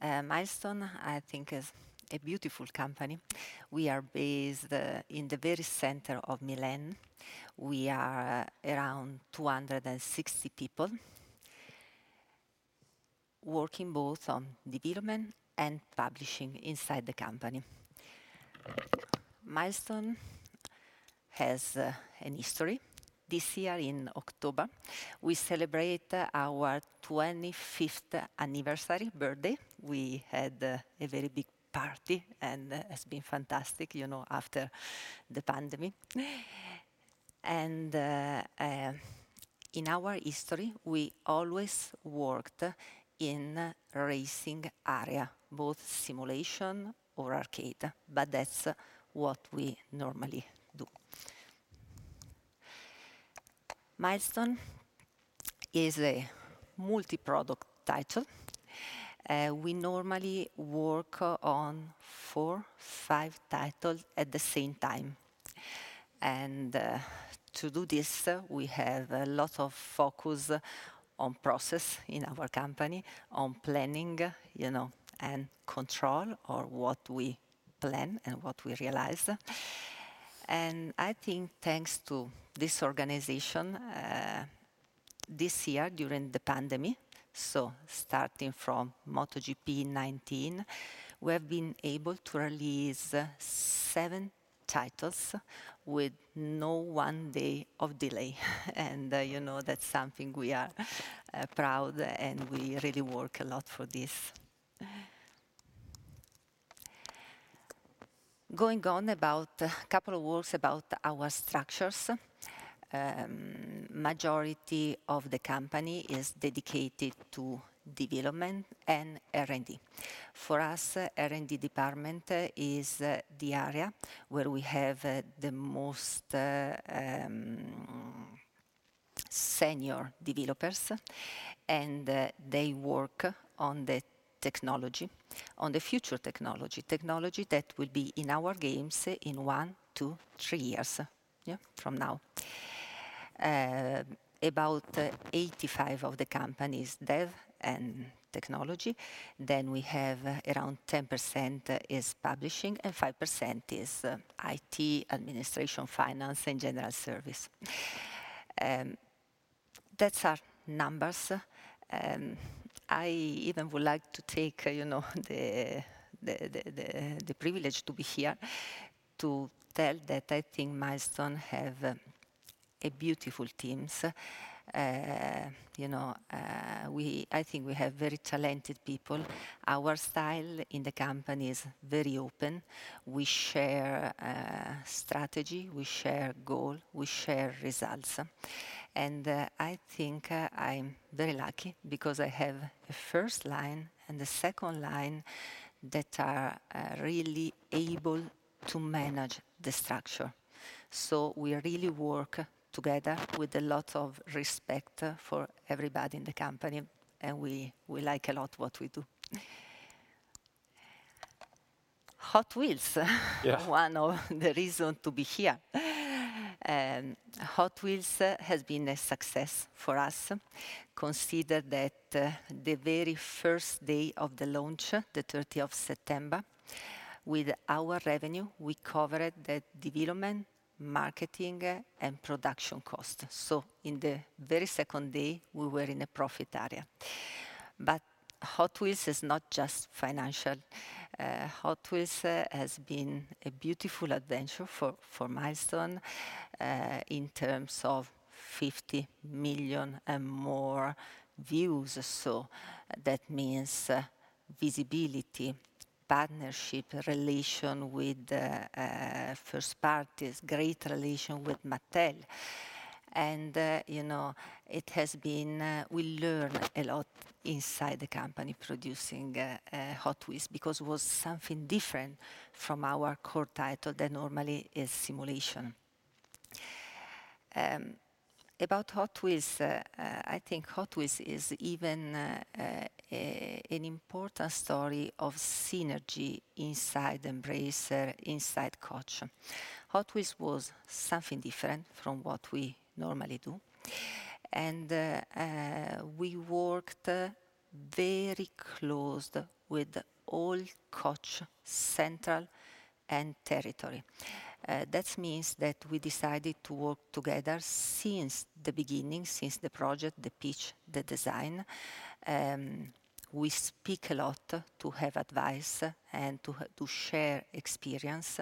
Milestone I think is a beautiful company. We are based in the very center of Milan. We are around 260 people working both on development and publishing inside the company. Milestone has a history. This year in October, we celebrate our 25th anniversary birthday. We had a very big party, and it's been fantastic, you know, after the pandemic. In our history, we always worked in racing area, both simulation or arcade, but that's what we normally do. Milestone is a multi-product title. We normally work on 4, 5 titles at the same time. To do this, we have a lot of focus on process in our company, on planning, you know, and control of what we plan and what we realize. I think thanks to this organization, this year during the pandemic, starting from MotoGP 19, we have been able to release 7 titles with no 1 day of delay. You know, that's something we are proud, and we really work a lot for this. Going on about a couple of words about our structures. Majority of the company is dedicated to development and R&D. For us, R&D department is the area where we have the most senior developers, and they work on the technology, on the future technology that will be in our games in 1-3 years, yeah, from now. About 85% of the company's dev and technology. We have around 10% is publishing and 5% is IT, administration, finance, and general service. That's our numbers. I even would like to take the privilege to be here to tell that I think Milestone have a beautiful teams. I think we have very talented people. Our style in the company is very open. We share strategy, we share goal, we share results. I think I'm very lucky because I have a first line and a second line that are really able to manage the structure. We really work together with a lot of respect for everybody in the company, and we like a lot what we do. Hot Wheels Yes. One of the reasons to be here. Hot Wheels has been a success for us. Consider that the very first day of the launch, the thirteenth of September, with our revenue, we covered the development, marketing and production cost. In the very second day, we were in a profit area. Hot Wheels is not just financial. Hot Wheels has been a beautiful adventure for Milestone in terms of 50 million and more views. That means visibility, partnership, relation with first parties, great relation with Mattel. You know, we learn a lot inside the company producing Hot Wheels because it was something different from our core title that normally is simulation. About Hot Wheels, I think Hot Wheels is even an important story of synergy inside Embracer, inside Koch. Hot Wheels was something different from what we normally do. We worked very close with all Koch central and territory. That means that we decided to work together since the beginning, since the project, the pitch, the design. We speak a lot to have advice and to share experience.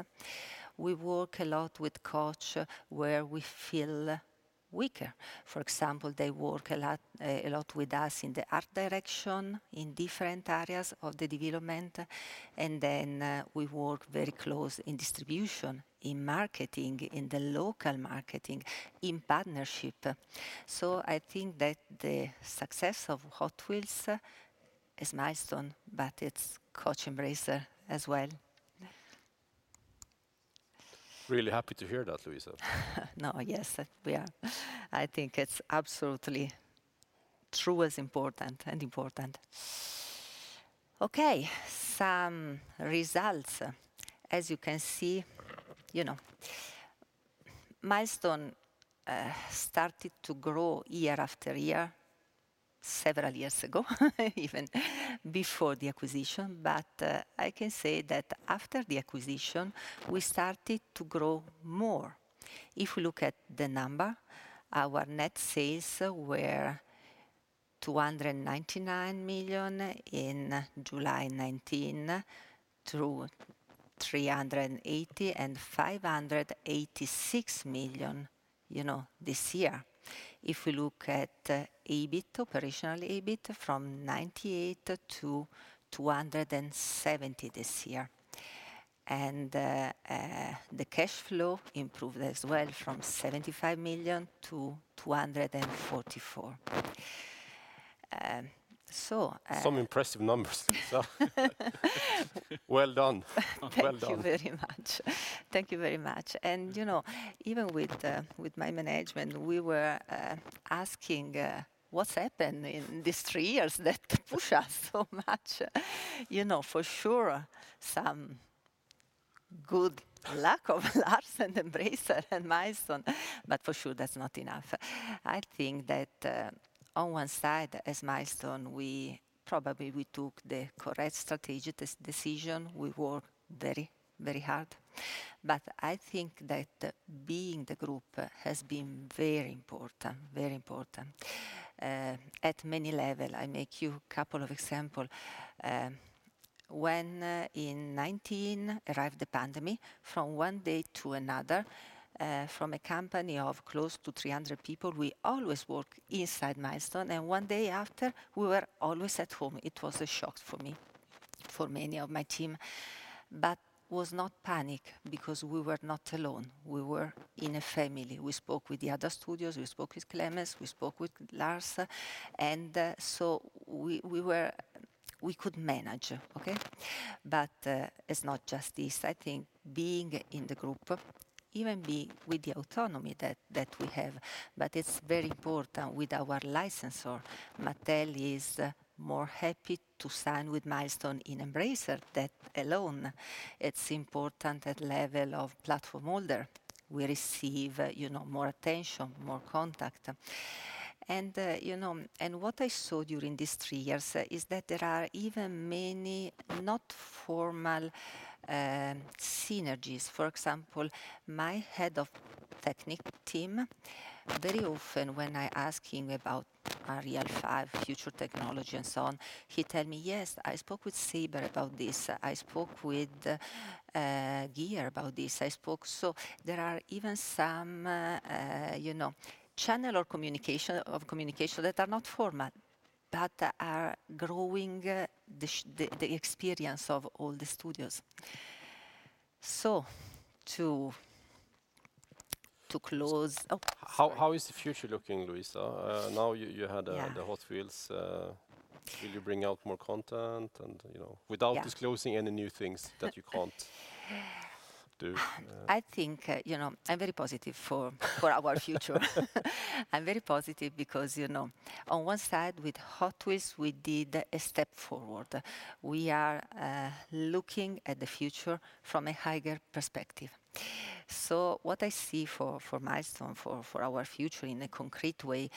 We work a lot with Koch where we feel weaker. For example, they work a lot with us in the art direction in different areas of the development. We work very close in distribution, in marketing, in the local marketing, in partnership. I think that the success of Hot Wheels is Milestone, but it's Koch Embracer as well. Really happy to hear that, Luisa. No, yes, that we are. I think it's absolutely true as important. Okay, some results. As you can see, you know, Milestone started to grow year after year, several years ago, even before the acquisition. I can say that after the acquisition, we started to grow more. If we look at the number, our net sales were 299 million in July 2019 through 380 and 586 million, you know, this year. If we look at EBIT, operational EBIT, from 98 to 270 this year. The cash flow improved as well from 75 million to 244. Some impressive numbers. Well done. Well done. Thank you very much. Thank you very much. You know, even with my management, we were asking what's happened in these three years that push us so much. You know, for sure, some good luck of Lars and Embracer and Milestone, but for sure that's not enough. I think that on one side, as Milestone, we probably took the correct strategic decision, we worked very, very hard. But I think that being the group has been very important, very important at many level. I give you couple of example. When in 2019 arrived the pandemic, from one day to another, from a company of close to 300 people, we always work inside Milestone, and one day after, we were always at home. It was a shock for me, for many of my team. It was not panic because we were not alone. We were in a family. We spoke with the other studios, we spoke with Klemens, we spoke with Lars, and so we could manage. Okay? It's not just this. I think being in the group, even being with the autonomy that we have, but it's very important with our licensor. Mattel is more happy to sign with Milestone in Embracer than alone. It's important at level of platform holder. We receive, you know, more attention, more contact. You know, what I saw during these three years is that there are even many not formal synergies. For example, my head of technique team, very often when I ask him about Unreal 5, future technology and so on, he tell me, "Yes, I spoke with Saber about this. I spoke with Gearbox about this. There are even some, you know, channels of communication that are not formal, but are sharing the experience of all the studios. To close. Oh, sorry. How is the future looking, Luisa? Now you had- Yeah... the Hot Wheels, will you bring out more content and, you know? Yeah Without disclosing any new things that you can't do. I think, you know, I'm very positive for our future. I'm very positive because, you know, on one side with Hot Wheels, we did a step forward. We are looking at the future from a higher perspective. What I see for Milestone, for our future in a concrete way,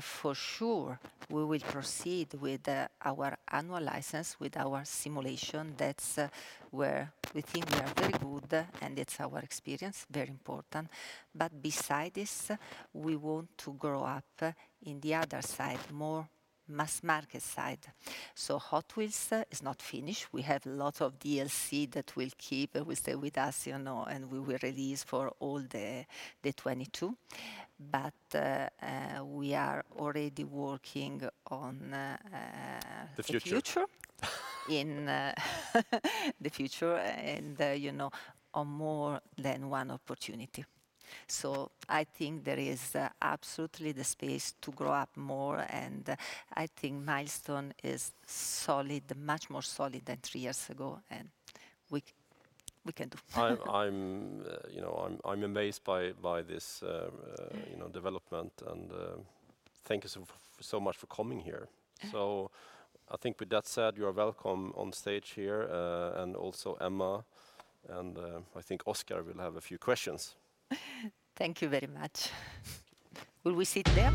for sure we will proceed with our annual license, with our simulation. That's where we think we are very good, and it's our experience, very important. Beside this, we want to grow up in the other side, more mass market side. Hot Wheels is not finished. We have lots of DLC that will stay with us, you know, and we will release for all the 2022. We are already working on The future you know, on more than one opportunity. I think there is absolutely the space to grow up more, and I think Milestone is solid, much more solid than three years ago, and we can do. I'm you know, I'm amazed by this you know development and thank you so much for coming here. I think with that said, you are welcome on stage here, and also Emma, and I think Oscar will have a few questions. Thank you very much. Will we sit there?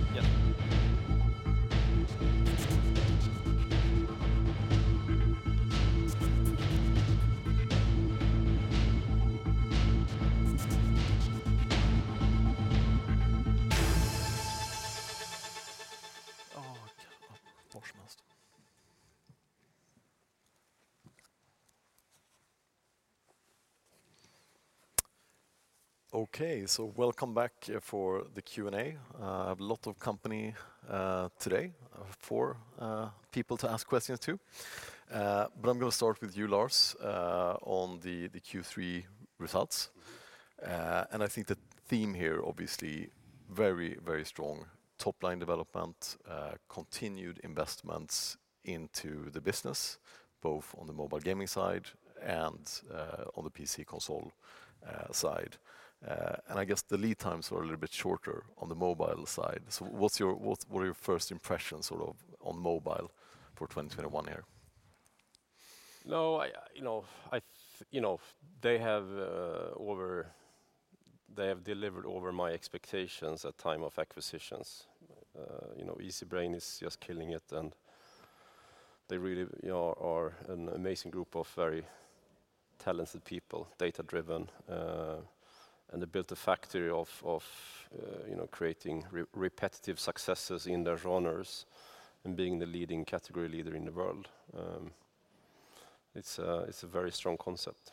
Welcome back for the Q&A. A lot of companies today, 4 people to ask questions to. I'm gonna start with you, Lars, on the Q3 results. I think the theme here obviously Very, very strong top-line development, continued investments into the business, both on the mobile gaming side and on the PC console side. I guess the lead times were a little bit shorter on the mobile side. So what's your first impressions sort of on mobile for 2021 year? No, you know, they have delivered over my expectations at time of acquisitions. You know, Easybrain is just killing it, and they really are an amazing group of very talented people, data-driven, and they built a factory of you know, creating repetitive successes in their genres and being the leading category leader in the world. It's a very strong concept.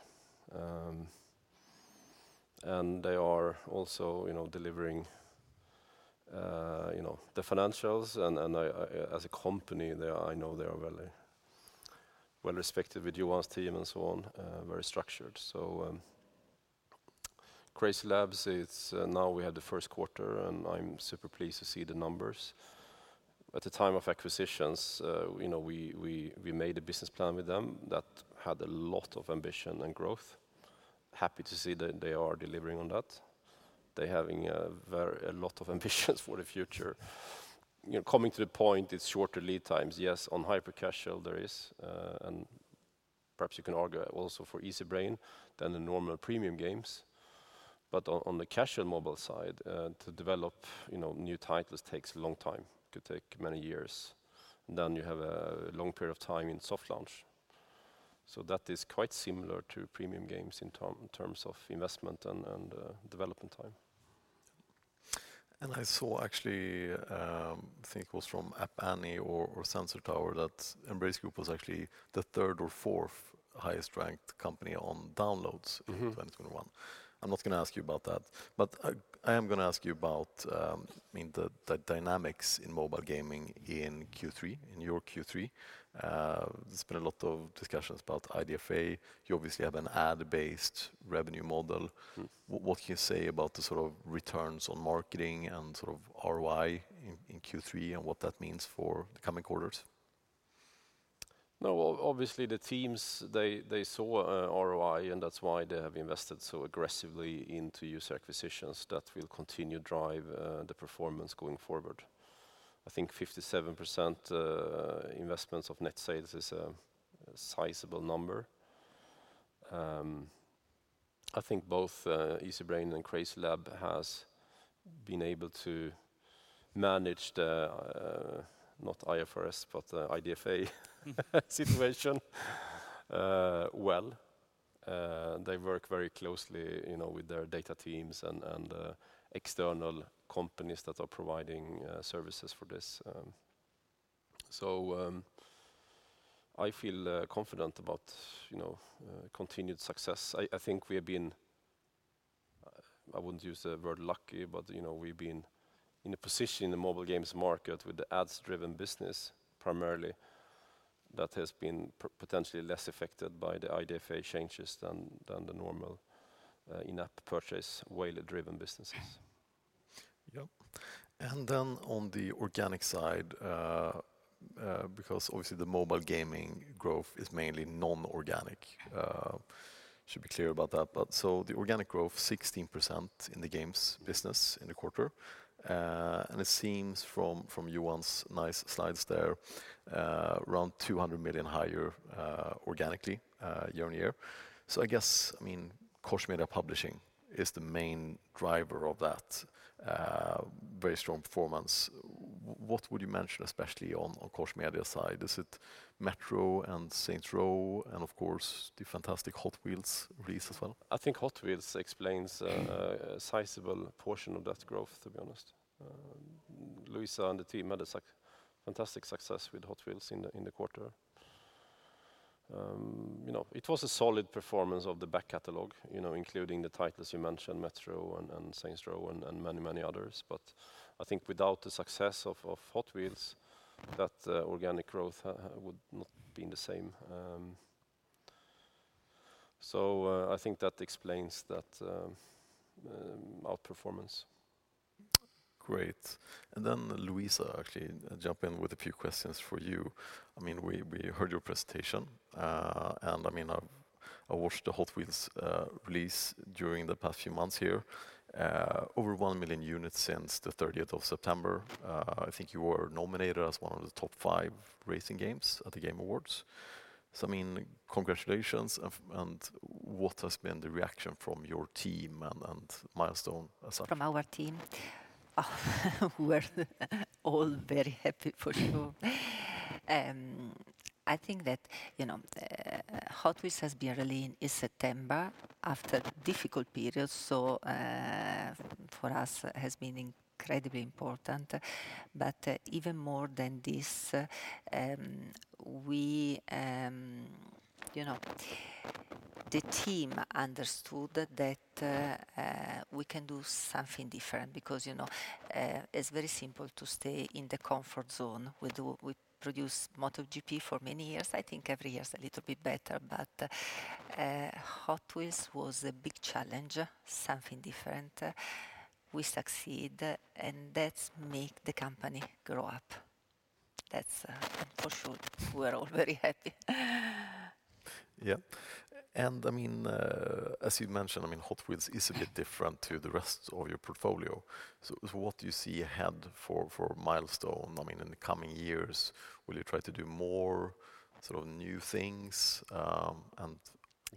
They are also you know, delivering you know, the financials and as a company, I know they are very well-respected with Johan's team and so on, very structured. CrazyLabs, it's now we had the first quarter, and I'm super pleased to see the numbers. At the time of acquisitions, you know, we made a business plan with them that had a lot of ambition and growth. Happy to see that they are delivering on that. They have a lot of ambitions for the future. You know, coming to the point, it's shorter lead times. Yes, on hyper casual there is, and perhaps you can argue also for Easybrain than for the normal premium games. On the casual mobile side, to develop, you know, new titles takes a long time, could take many years. Then you have a long period of time in soft launch. That is quite similar to premium games in terms of investment and development time. I saw actually, I think it was from App Annie or Sensor Tower, that Embracer Group was actually the third or fourth highest ranked company on downloads in 2021. I'm not gonna ask you about that, but I am gonna ask you about, I mean, the dynamics in mobile gaming in Q3, in your Q3. There's been a lot of discussions about IDFA. You obviously have an ad-based revenue model. What can you say about the sort of returns on marketing and sort of ROI in Q3 and what that means for the coming quarters? No, obviously the teams, they saw ROI, and that's why they have invested so aggressively into user acquisitions that will continue to drive the performance going forward. I think 57% investments of net sales is a sizable number. I think both Easybrain and CrazyLabs has been able to manage the IDFA situation well. They work very closely, you know, with their data teams and external companies that are providing services for this. I feel confident about, you know, continued success. I think we have been, I wouldn't use the word lucky, but, you know, we've been in a position in the mobile games market with the ads-driven business primarily that has been potentially less affected by the IDFA changes than the normal, in-app purchase, whale-driven businesses. Yep. On the organic side, because obviously the mobile gaming growth is mainly non-organic, should be clear about that. The organic growth 16% in the games business in the quarter, and it seems from Johan’s nice slides there, around 200 million higher organically year-over-year. I guess, I mean, Koch Media publishing is the main driver of that, very strong performance. What would you mention especially on Koch Media side? Is it Metro and Saints Row and of course the fantastic Hot Wheels release as well? I think Hot Wheels explains a sizable portion of that growth, to be honest. Luisa and the team had fantastic success with Hot Wheels in the quarter. You know, it was a solid performance of the back catalog, you know, including the titles you mentioned, Metro and Saints Row and many others. I think without the success of Hot Wheels, that organic growth would not been the same. I think that explains that outperformance. Great. Luisa, actually jump in with a few questions for you. I mean, we heard your presentation, and I mean, I watched the Hot Wheels release during the past few months here. Over 1 million units since the thirtieth of September. I think you were nominated as one of the top 5 racing games at The Game Awards. I mean, congratulations and what has been the reaction from your team and Milestone as such? From our team? We're all very happy for sure. I think that, you know, Hot Wheels has been released in September after difficult period, so, for us has been incredibly important. Even more than this, we, you know, the team understood that we can do something different because, you know, it's very simple to stay in the comfort zone. We produced MotoGP for many years, I think every year is a little bit better, but Hot Wheels was a big challenge, something different. We succeed, and that make the company grow up. That's for sure. We are all very happy. Yeah. I mean, as you mentioned, I mean, Hot Wheels is a bit different to the rest of your portfolio. What do you see ahead for Milestone in the coming years? Will you try to do more sort of new things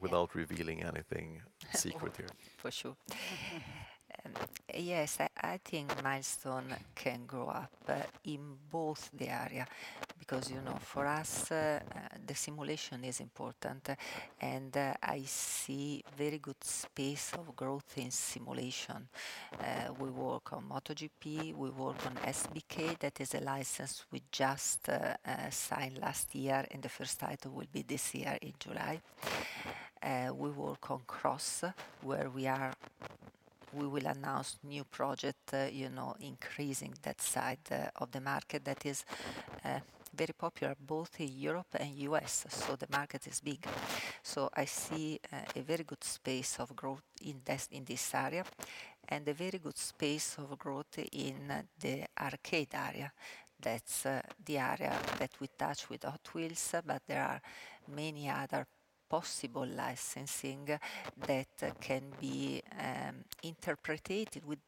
without revealing anything secret here? For sure. Yes, I think Milestone can grow up in both the area because, you know, for us, the simulation is important. I see very good space of growth in simulation. We work on MotoGP, we work on SBK. That is a license we just signed last year, and the first title will be this year in July. We work on MXGP, where we will announce new project, you know, increasing that side of the market that is very popular both in Europe and U.S. The market is big. I see a very good space of growth in this area and a very good space of growth in the arcade area. That's the area that we touch with Hot Wheels, but there are many other possible licensing that can be interpreted with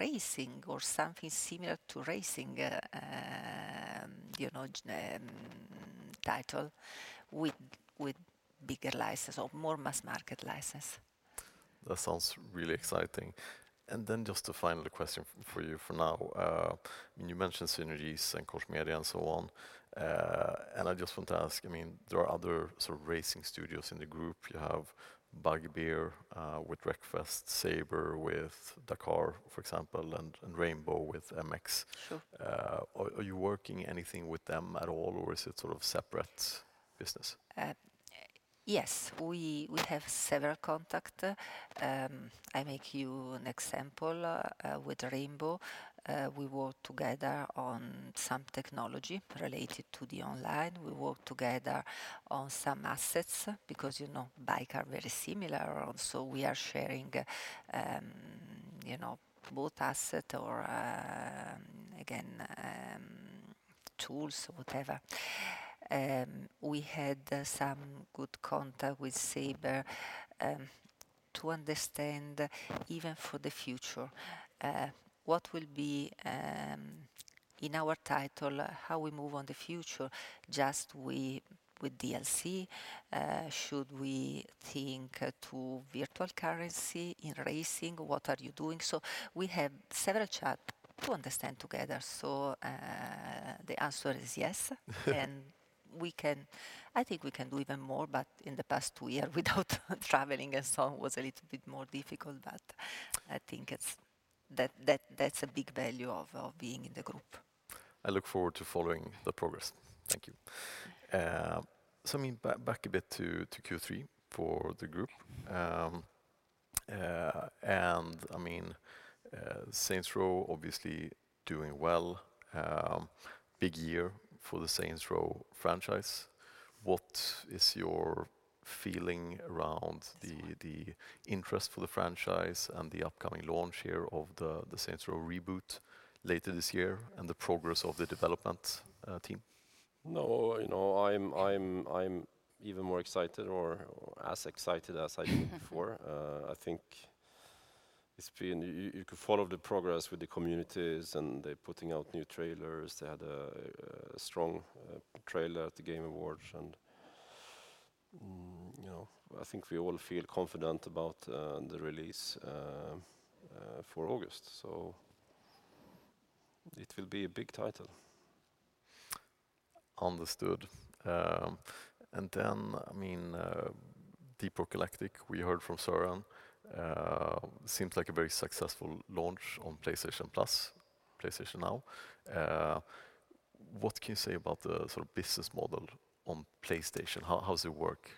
racing or something similar to racing, you know, title with bigger license or more mass market license. That sounds really exciting. Just a final question for you for now. You mentioned synergies and Koch Media and so on. I just want to ask, I mean, there are other sort of racing studios in the group. You have Bugbear with Wreckfest, Saber with Dakar, for example, and Rainbow with MX. Sure. Are you working anything with them at all, or is it sort of separate business? Yes. We have several contacts. I make you an example with Rainbow. We work together on some technology related to the online. We work together on some assets because, you know, bikes are very similar. Also, we are sharing, you know, both assets or, again, tools or whatever. We had some good contacts with Saber to understand even for the future what will be in our titles, how we move on the future. Just we with DLC, should we think to virtual currency in racing? What are you doing? We have several chats to understand together. The answer is yes. We can—I think we can do even more, but in the past two years without traveling and so on was a little bit more difficult. I think that's a big value of being in the group. I look forward to following the progress. Thank you. Back a bit to Q3 for the group. Saints Row obviously doing well. Big year for the Saints Row franchise. What is your feeling around the interest for the franchise and the upcoming launch here of the Saints Row reboot later this year and the progress of the development team? No, you know, I'm even more excited or as excited as I was before. I think you could follow the progress with the communities, and they're putting out new trailers. They had a strong trailer at the Game Awards and you know, I think we all feel confident about the release for August. It will be a big title. Understood. Deep Rock Galactic, we heard from Søren, seems like a very successful launch on PlayStation Plus, PlayStation Now. What can you say about the sort of business model on PlayStation? How does it work?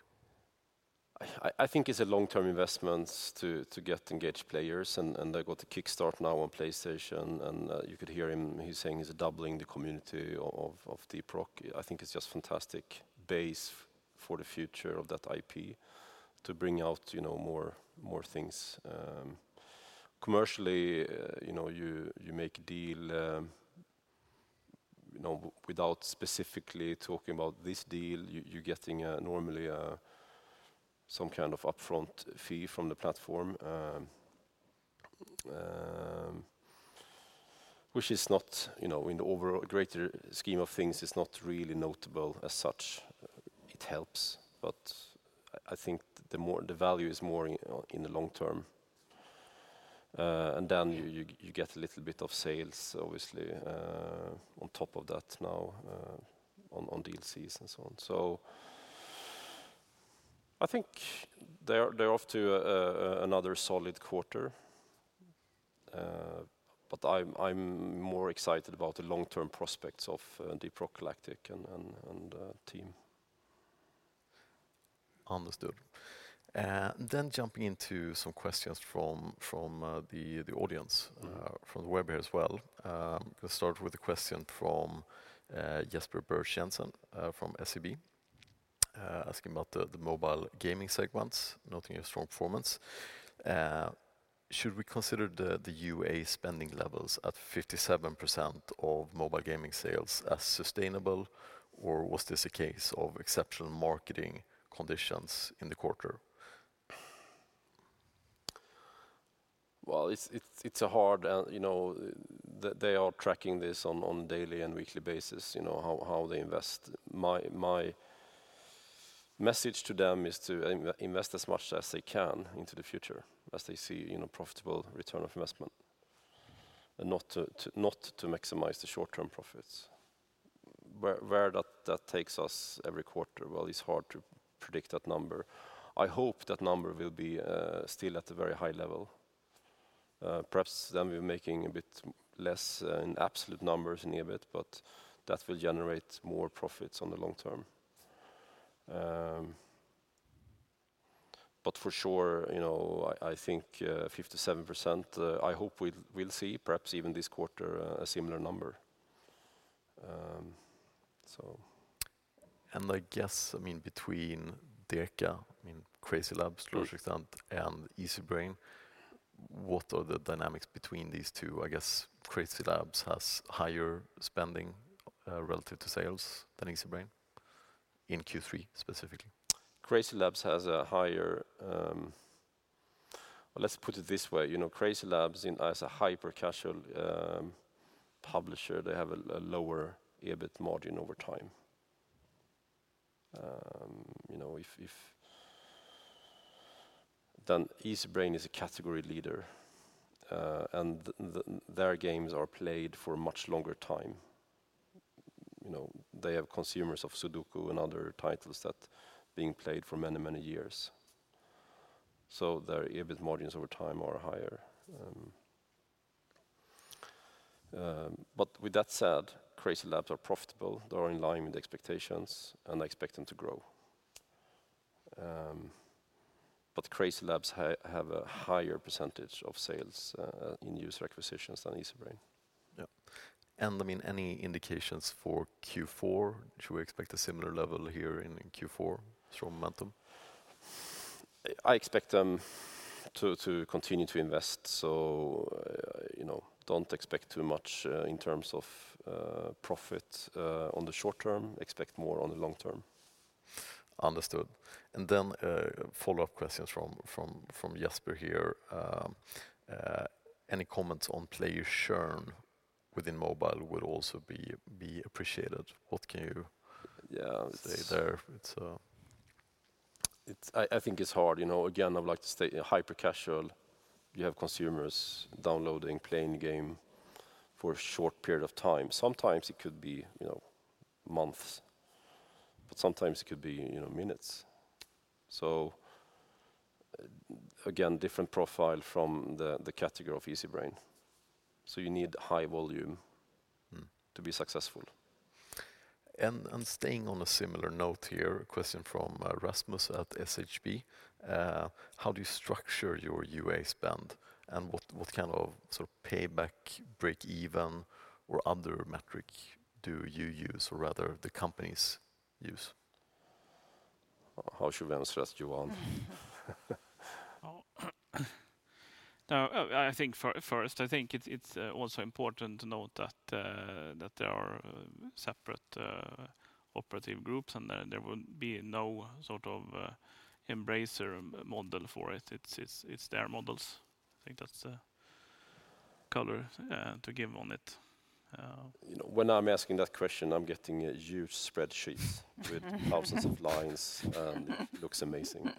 I think it's a long-term investment to get engaged players and they got to kickstart now on PlayStation and you could hear him. He's saying he's doubling the community of Deep Rock. I think it's just fantastic base for the future of that IP to bring out, you know, more things. Commercially, you know, you make a deal, you know, without specifically talking about this deal, you're getting normally some kind of upfront fee from the platform, which is not, you know, in the overall grand scheme of things, it's not really notable as such. It helps, but I think the more the value is more in the long term. You get a little bit of sales, obviously, on top of that now, on DLCs and so on. I think they're off to another solid quarter. I'm more excited about the long-term prospects of Deep Rock Galactic and team. Understood. Jumping into some questions from the audience, from the web here as well. Let's start with a question from Jesper Birch-Jensen from SEB, asking about the mobile gaming segments, noting a strong performance. Should we consider the UA spending levels at 57% of mobile gaming sales as sustainable, or was this a case of exceptional marketing conditions in the quarter? Well, it's a hard, you know, they are tracking this on daily and weekly basis, you know, how they invest. My message to them is to invest as much as they can into the future as they see, you know, profitable return of investment and not to maximize the short-term profits. Where that takes us every quarter, it's hard to predict that number. I hope that number will be still at a very high level. Perhaps then we're making a bit less in absolute numbers in EBIT, but that will generate more profits on the long term. For sure, you know, I think 57%, I hope we'll see perhaps even this quarter a similar number. I guess, I mean, between CrazyLabs- Yes CrazyLabs and Easybrain, what are the dynamics between these two? I guess CrazyLabs has higher spending relative to sales than Easybrain in Q3 specifically. CrazyLabs has a higher. Well, let's put it this way, you know, CrazyLabs as a hyper-casual publisher, they have a lower EBIT margin over time. You know, if Easybrain is a category leader, and their games are played for a much longer time. You know, they have consumers of Sudoku and other titles that are being played for many, many years. Their EBIT margins over time are higher. With that said, CrazyLabs are profitable. They are in line with the expectations, and I expect them to grow. CrazyLabs have a higher percentage of sales in user acquisitions than Easybrain. Yeah. I mean, any indications for Q4? Should we expect a similar level here in Q4, strong momentum? I expect them to continue to invest. You know, don't expect too much in terms of profit on the short term. Expect more on the long term. Understood. A follow-up question from Jesper here. Any comments on player churn within mobile would also be appreciated. What can you say there? I think it's hard. You know, again, I would like to state in hyper-casual, you have consumers downloading, playing game for a short period of time. Sometimes it could be, you know, months, but sometimes it could be, you know, minutes. So again, different profile from the category of Easybrain. So you need high volume to be successful. Staying on a similar note here, a question from Rasmus at SHB. How do you structure your UA spend? What kind of sort of payback, break even or other metric do you use, or rather the companies use? How should we answer that, Johan? No, I think first, I think it's also important to note that there are separate operative groups, and there will be no sort of Embracer model for it. It's their models. I think that's the color to give on it. You know, when I'm asking that question, I'm getting a huge spreadsheet with thousands of lines, and it looks amazing.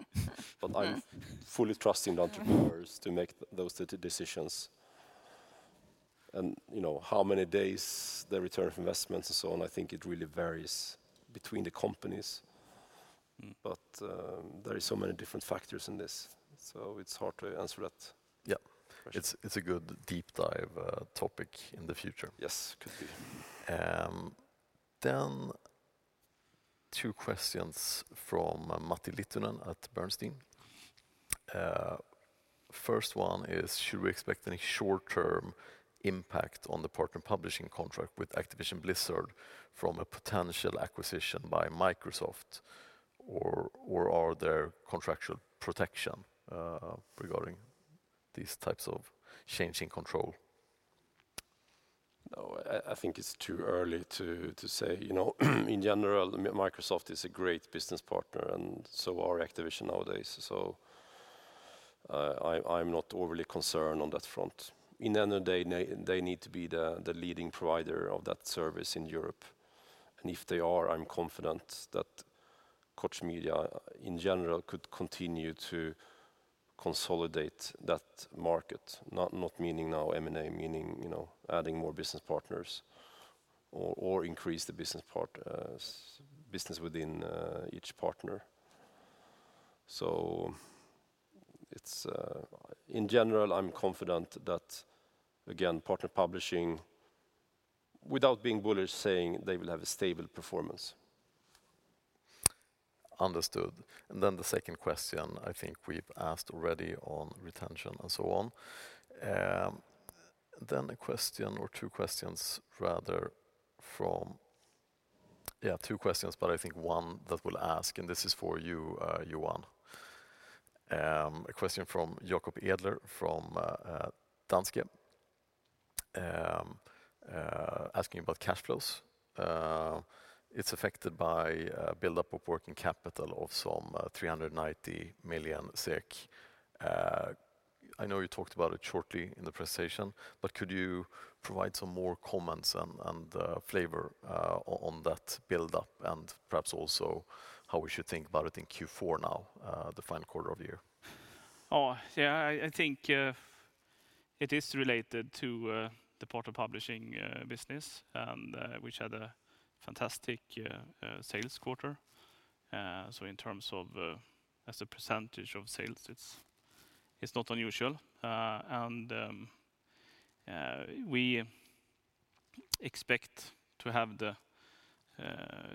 But I'm fully trusting the entrepreneurs to make those decisions. You know, how many days the return on investment and so on, I think it really varies between the companies. There are so many different factors in this, so it's hard to answer that. Yeah It's a good deep dive topic in the future. Yes. Could be. Two questions from Matti Littunen at Bernstein. First one is, should we expect any short-term impact on the partner publishing contract with Activision Blizzard from a potential acquisition by Microsoft, or are there contractual protection regarding these types of change in control? No, I think it's too early to say. You know, in general, Microsoft is a great business partner, and so are Activision nowadays. I'm not overly concerned on that front. At the end of the day, they need to be the leading provider of that service in Europe. If they are, I'm confident that Koch Media in general could continue to consolidate that market. Not meaning now M&A, meaning, you know, adding more business partners or increase the business partnerships within each partner. It's in general, I'm confident that, again, Partner Publishing, without being bullish, saying they will have a stable performance. Understood. The second question I think we've asked already on retention and so on. Two questions, but I think one that we'll ask, and this is for you, Johan. A question from Jacob Edler from Danske asking about cash flows. It's affected by buildup of working capital of some 390 million SEK. I know you talked about it shortly in the presentation, but could you provide some more comments and flavor on that buildup and perhaps also how we should think about it in Q4 now, the final quarter of the year? I think it is related to the Partner Publishing business, which had a fantastic sales quarter. In terms of as a percentage of sales, it's not unusual. We expect to have the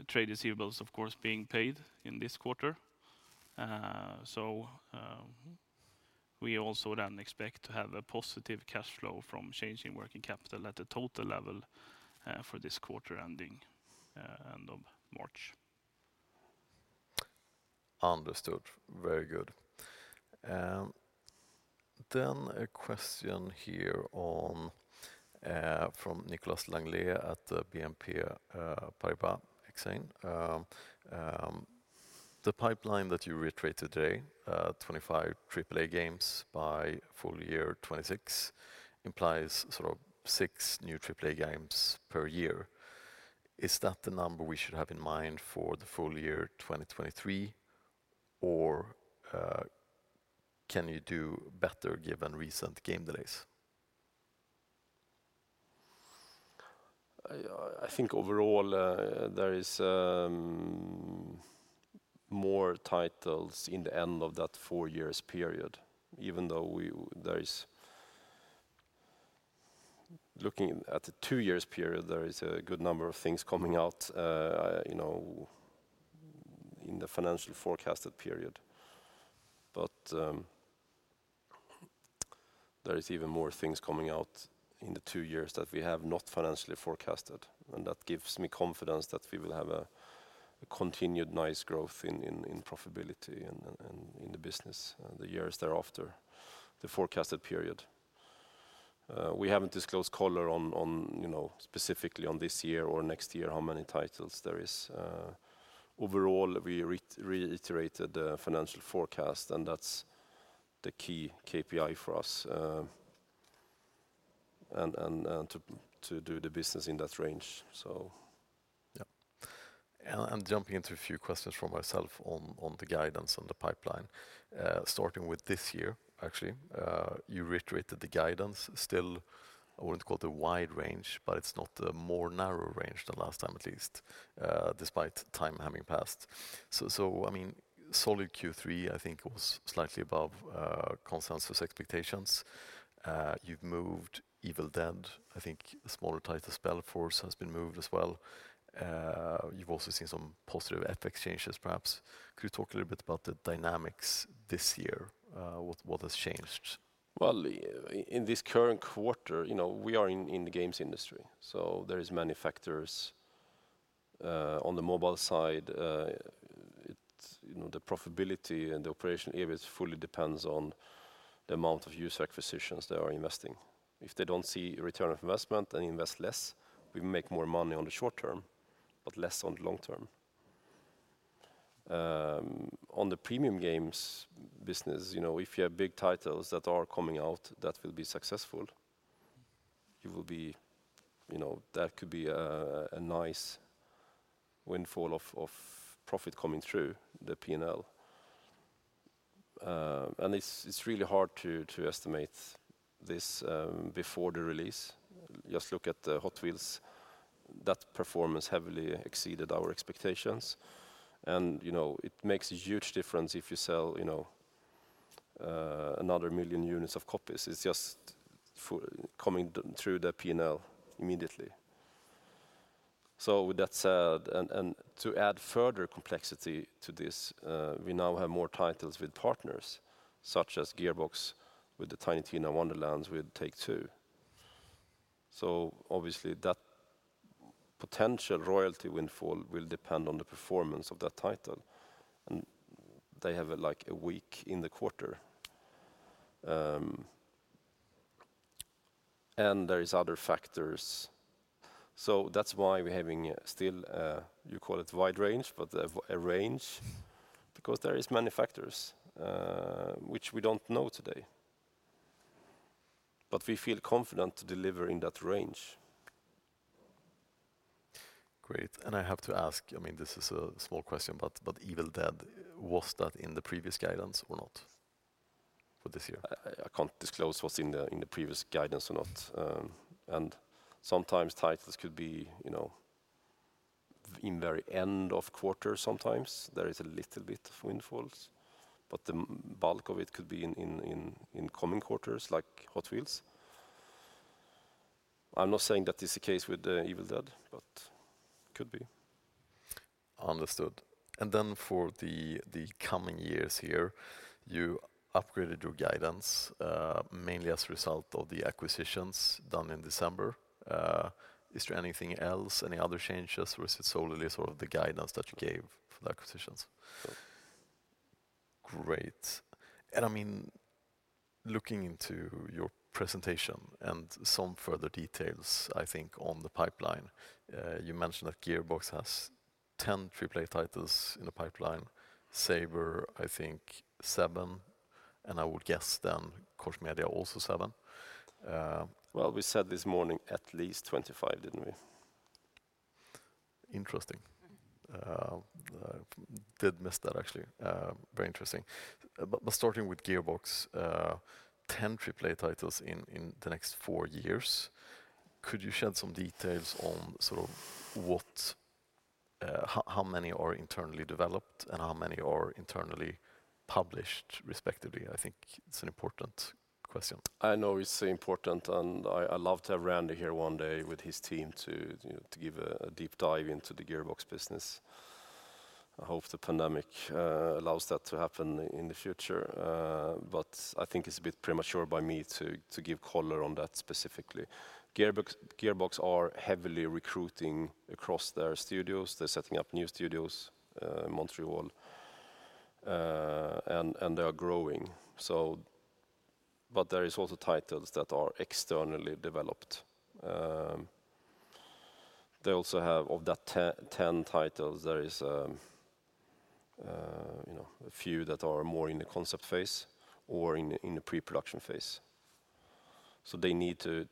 trade receivables, of course, being paid in this quarter. We also expect to have a positive cash flow from changing working capital at a total level for this quarter ending end of March. Understood. Very good. A question here from Nicolas Langlet at BNP Paribas Exane. The pipeline that you reiterated today, 25 AAA games by full year 2026, implies sort of 6 new AAA games per year. Is that the number we should have in mind for the full year 2023, or can you do better given recent game delays? I think overall, there is more titles in the end of that four years period, even though Looking at the two years period, there is a good number of things coming out, you know, in the financially forecasted period. There is even more things coming out in the two years that we have not financially forecasted, and that gives me confidence that we will have a continued nice growth in profitability and in the business in the years thereafter the forecasted period. We haven't disclosed color on, you know, specifically on this year or next year, how many titles there is. Overall, we reiterated the financial forecast, and that's the key KPI for us, and to do the business in that range, so yep. I'm jumping into a few questions from myself on the guidance and the pipeline, starting with this year, actually. You reiterated the guidance still. I wouldn't call it a wide range, but it's not a more narrow range than last time at least, despite time having passed. I mean, solid Q3, I think, was slightly above consensus expectations. You've moved Evil Dead. I think a smaller title, SpellForce, has been moved as well. You've also seen some positive FX changes perhaps. Could you talk a little bit about the dynamics this year? What has changed? Well, in this current quarter, you know, we are in the games industry, so there is many factors on the mobile side. It's, you know, the profitability and the operation areas fully depends on the amount of user acquisitions they are investing. If they don't see a return on investment, they invest less. We make more money on the short term, but less on the long term. On the premium games business, you know, if you have big titles that are coming out that will be successful, you will be, you know, that could be a nice windfall of profit coming through the P&L. It's really hard to estimate this before the release. Just look at the Hot Wheels. That performance heavily exceeded our expectations. You know, it makes a huge difference if you sell, you know, another million units of copies. It's just coming through the P&L immediately. With that said, to add further complexity to this, we now have more titles with partners, such as Gearbox with the Tiny Tina's Wonderlands with Take-Two. Obviously, that potential royalty windfall will depend on the performance of that title, and they have, like, a week in the quarter. There is other factors. That's why we're having still, you call it wide range, but a range, because there is many factors, which we don't know today. We feel confident delivering that range. Great. I have to ask, I mean, this is a small question, but Evil Dead, was that in the previous guidance or not for this year? I can't disclose what's in the previous guidance or not. Sometimes titles could be, you know, in very end of quarter sometimes, there is a little bit of windfalls, but the bulk of it could be in coming quarters like Hot Wheels. I'm not saying that is the case with Evil Dead, but could be. Understood. For the coming years here, you upgraded your guidance, mainly as a result of the acquisitions done in December. Is there anything else, any other changes, or is it solely sort of the guidance that you gave for the acquisitions? Great. I mean, looking into your presentation and some further details, I think on the pipeline, you mentioned that Gearbox has 10 AAA titles in the pipeline, Saber, I think 7, and I would guess then Koch Media also 7. Well, we said this morning at least 25, didn't we? Interesting. I did miss that, actually. Very interesting. Starting with Gearbox, 10 AAA titles in the next four years. Could you shed some details on sort of how many are internally developed and how many are internally published respectively? I think it's an important question. I know it's important, and I'd love to have Randy here one day with his team to give a deep dive into the Gearbox business. I hope the pandemic allows that to happen in the future. I think it's a bit premature by me to give color on that specifically. Gearbox are heavily recruiting across their studios. They're setting up new studios in Montreal and they are growing. There is also titles that are externally developed. They also have, of that 10 titles, there is you know, a few that are more in the concept phase or in the pre-production phase. They need to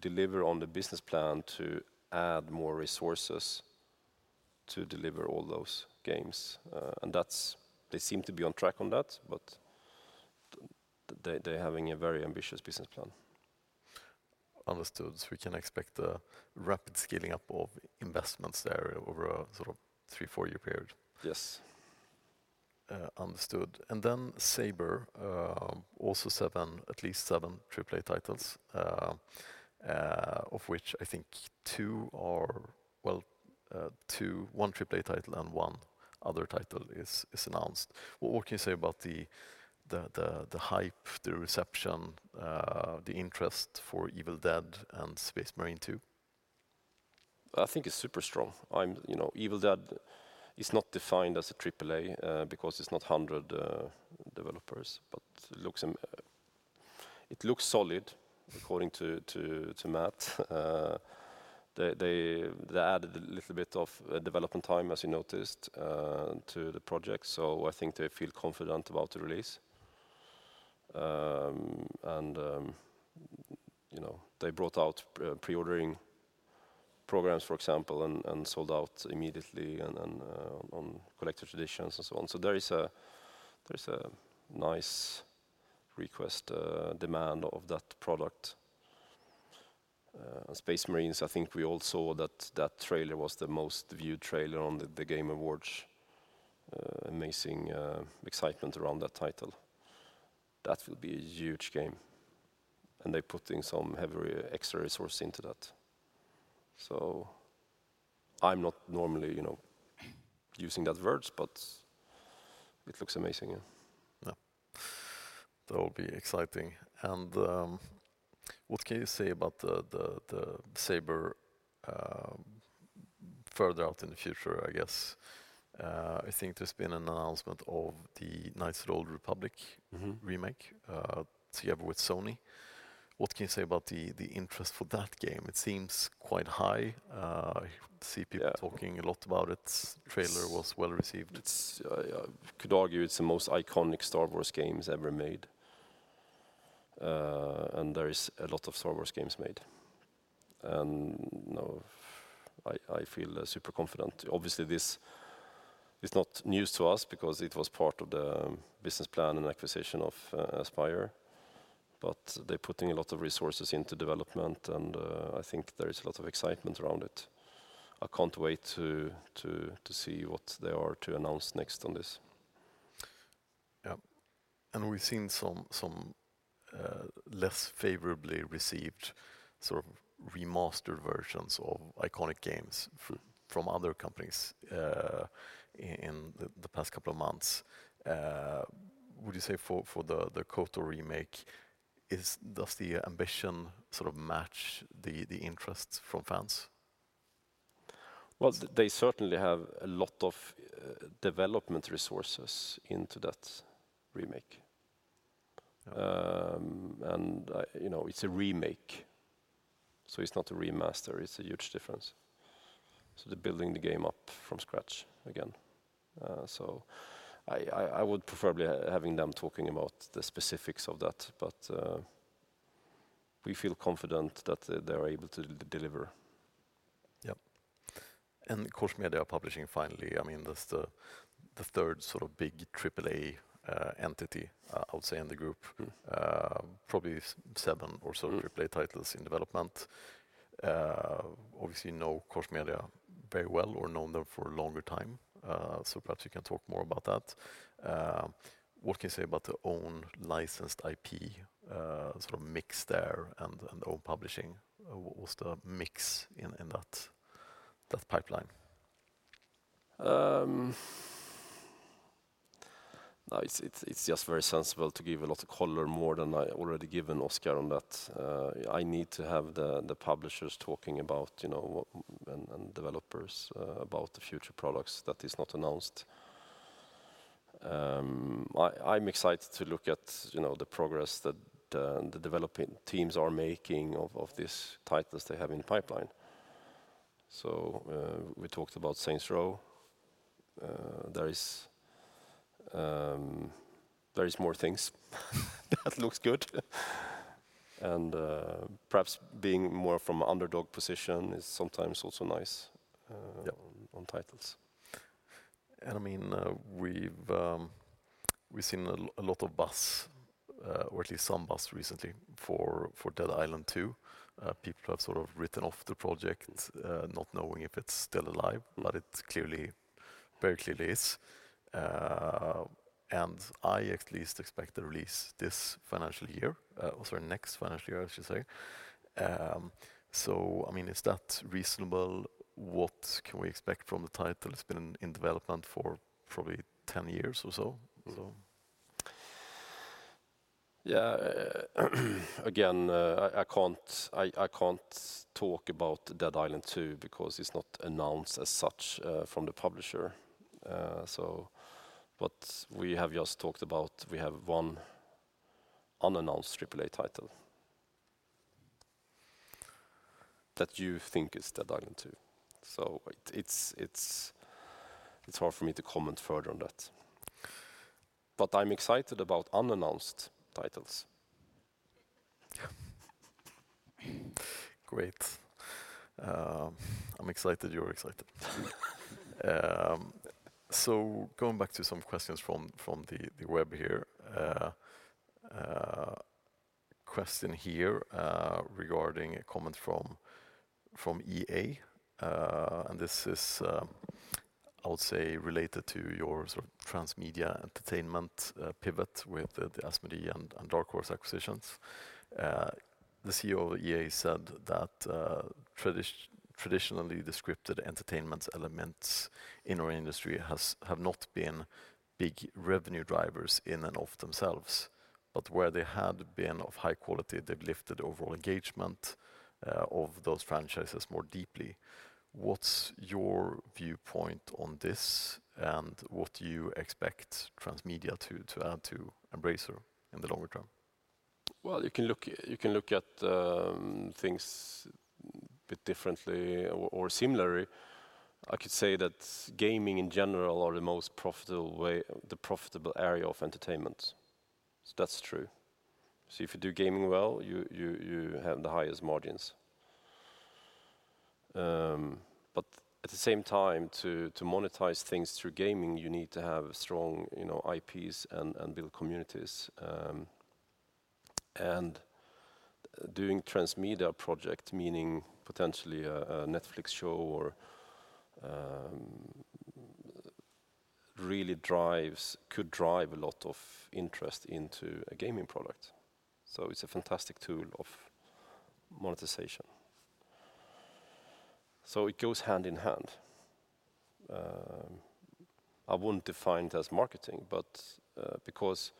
deliver on the business plan to add more resources to deliver all those games. They seem to be on track on that, but they're having a very ambitious business plan. Understood. We can expect a rapid scaling up of investments there over a sort of 3-4-year period? Yes. Understood. Then Saber also 7, at least 7 AAA titles, of which I think 2 are announced. 1 AAA title and 1 other title. What can you say about the hype, the reception, the interest for Evil Dead and Space Marine 2? I think it's super strong. You know, Evil Dead is not defined as a AAA because it's not 100 developers, but it looks solid according to Matt. They added a little bit of development time, as you noticed, to the project, so I think they feel confident about the release. You know, they brought out pre-ordering programs, for example, and sold out immediately and then on collector's editions and so on. There is a nice demand of that product. Space Marines, I think we all saw that trailer was the most viewed trailer on The Game Awards. Amazing excitement around that title. That will be a huge game, and they're putting some heavy extra resource into that. I'm not normally, you know, using that words, but it looks amazing, yeah. Yeah. That will be exciting. What can you say about the Saber further out in the future, I guess? I think there's been an announcement of the Knights of the Old Republic remake, together with Sony. What can you say about the interest for that game? It seems quite high. I see people- Yeah Talking a lot about it. Trailer was well-received. You could argue it's the most iconic Star Wars games ever made. There is a lot of Star Wars games made. You know, I feel super confident. Obviously, this is not news to us because it was part of the business plan and acquisition of Aspyr. They're putting a lot of resources into development and I think there is a lot of excitement around it. I can't wait to see what they are to announce next on this. Yeah. We've seen some less favorably received sort of remastered versions of iconic games from other companies in the past couple of months. Would you say for the KOTOR remake, does the ambition sort of match the interest from fans? Well, they certainly have a lot of development resources into that remake. You know, it's a remake, so it's not a remaster. It's a huge difference. They're building the game up from scratch again. I would prefer having them talking about the specifics of that, but we feel confident that they're able to deliver. Yeah. Koch Media are publishing finally. I mean, that's the third sort of big AAA entity, I would say in the group, probably seven or so AAA titles in development. Obviously, you know Koch Media very well or known them for a longer time, so perhaps you can talk more about that. What can you say about their own licensed IP, sort of mix there and own publishing? What's the mix in that pipeline? No, it's just very sensible to give a lot of color more than I already given Oscar on that. I need to have the publishers talking about, you know, what and developers about the future products that is not announced. I'm excited to look at, you know, the progress that the developing teams are making of these titles they have in pipeline. We talked about Saints Row. There is more things that looks good. Perhaps being more from underdog position is sometimes also nice. Yeah on titles. I mean, we've seen a lot of buzz, or at least some buzz recently for Dead Island 2. People have sort of written off the project, not knowing if it's still alive, but it clearly, very clearly is. I at least expect a release this financial year, or sorry, next financial year, I should say. So I mean, is that reasonable? What can we expect from the title? It's been in development for probably 10 years or so. Yeah. Again, I can't talk about Dead Island 2 because it's not announced as such from the publisher. What we have just talked about, we have one unannounced AAA title. That you think is Dead Island 2. It's hard for me to comment further on that. I'm excited about unannounced titles. Yeah. Great. I'm excited you're excited. Going back to some questions from the web here. Question here regarding a comment from EA. This is, I would say, related to your sort of transmedia entertainment pivot with the Asmodee and Dark Horse acquisitions. The CEO of EA said that, "Traditionally, the scripted entertainment elements in our industry have not been big revenue drivers in and of themselves. But where they have been of high quality, they've lifted overall engagement of those franchises more deeply." What's your viewpoint on this, and what do you expect transmedia to add to Embracer in the longer term? Well, you can look at things a bit differently or similarly. I could say that gaming in general are the profitable area of entertainment. That's true. If you do gaming well, you have the highest margins. At the same time, to monetize things through gaming, you need to have strong, you know, IPs and build communities. Doing transmedia project, meaning potentially a Netflix show or could drive a lot of interest into a gaming product. It's a fantastic tool of monetization. It goes hand in hand. I wouldn't define it as marketing, but because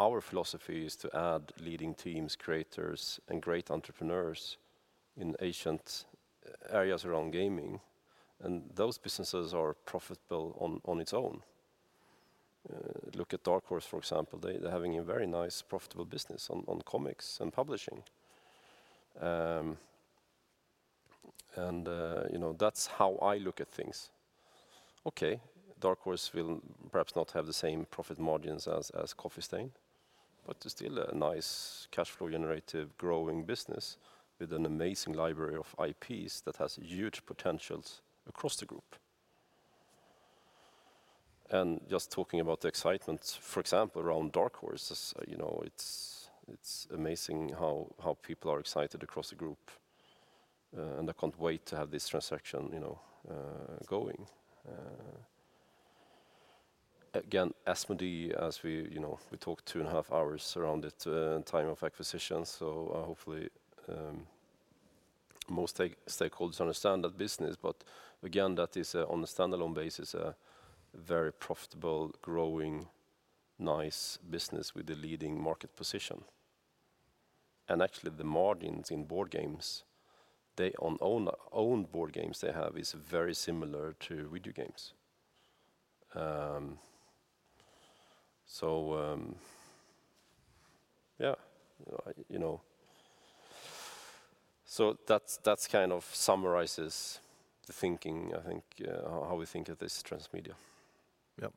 our philosophy is to add leading teams, creators, and great entrepreneurs in adjacent areas around gaming, and those businesses are profitable on its own. Look at Dark Horse, for example. They're having a very nice, profitable business on comics and publishing. You know, that's how I look at things. Okay, Dark Horse will perhaps not have the same profit margins as Coffee Stain, but it's still a nice cash flow generative growing business with an amazing library of IPs that has huge potentials across the group. Just talking about the excitement, for example, around Dark Horse, you know, it's amazing how people are excited across the group, and I can't wait to have this transaction, you know, going. Again, Asmodee, as we, you know, we talked two and a half hours around it, time of acquisition, so, hopefully, most stakeholders understand that business. Again, that is, on a standalone basis, a very profitable, growing, nice business with a leading market position. Actually, the margins in board games on own board games they have is very similar to video games. Yeah, you know. That's kind of summarizes the thinking, I think, how we think of this transmedia. Yeah.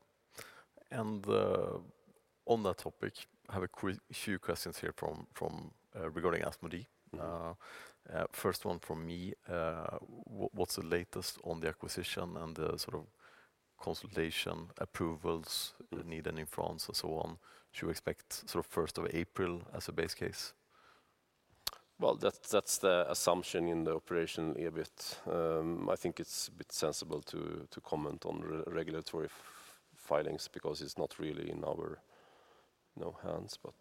On that topic, I have a few questions here from regarding Asmodee. First one from me. What's the latest on the acquisition and the sort of consultation approvals needed in France and so on? Should we expect sort of first of April as a base case? Well, that's the assumption in the operation a bit. I think it's a bit sensible to comment on regulatory filings because it's not really in our hands, but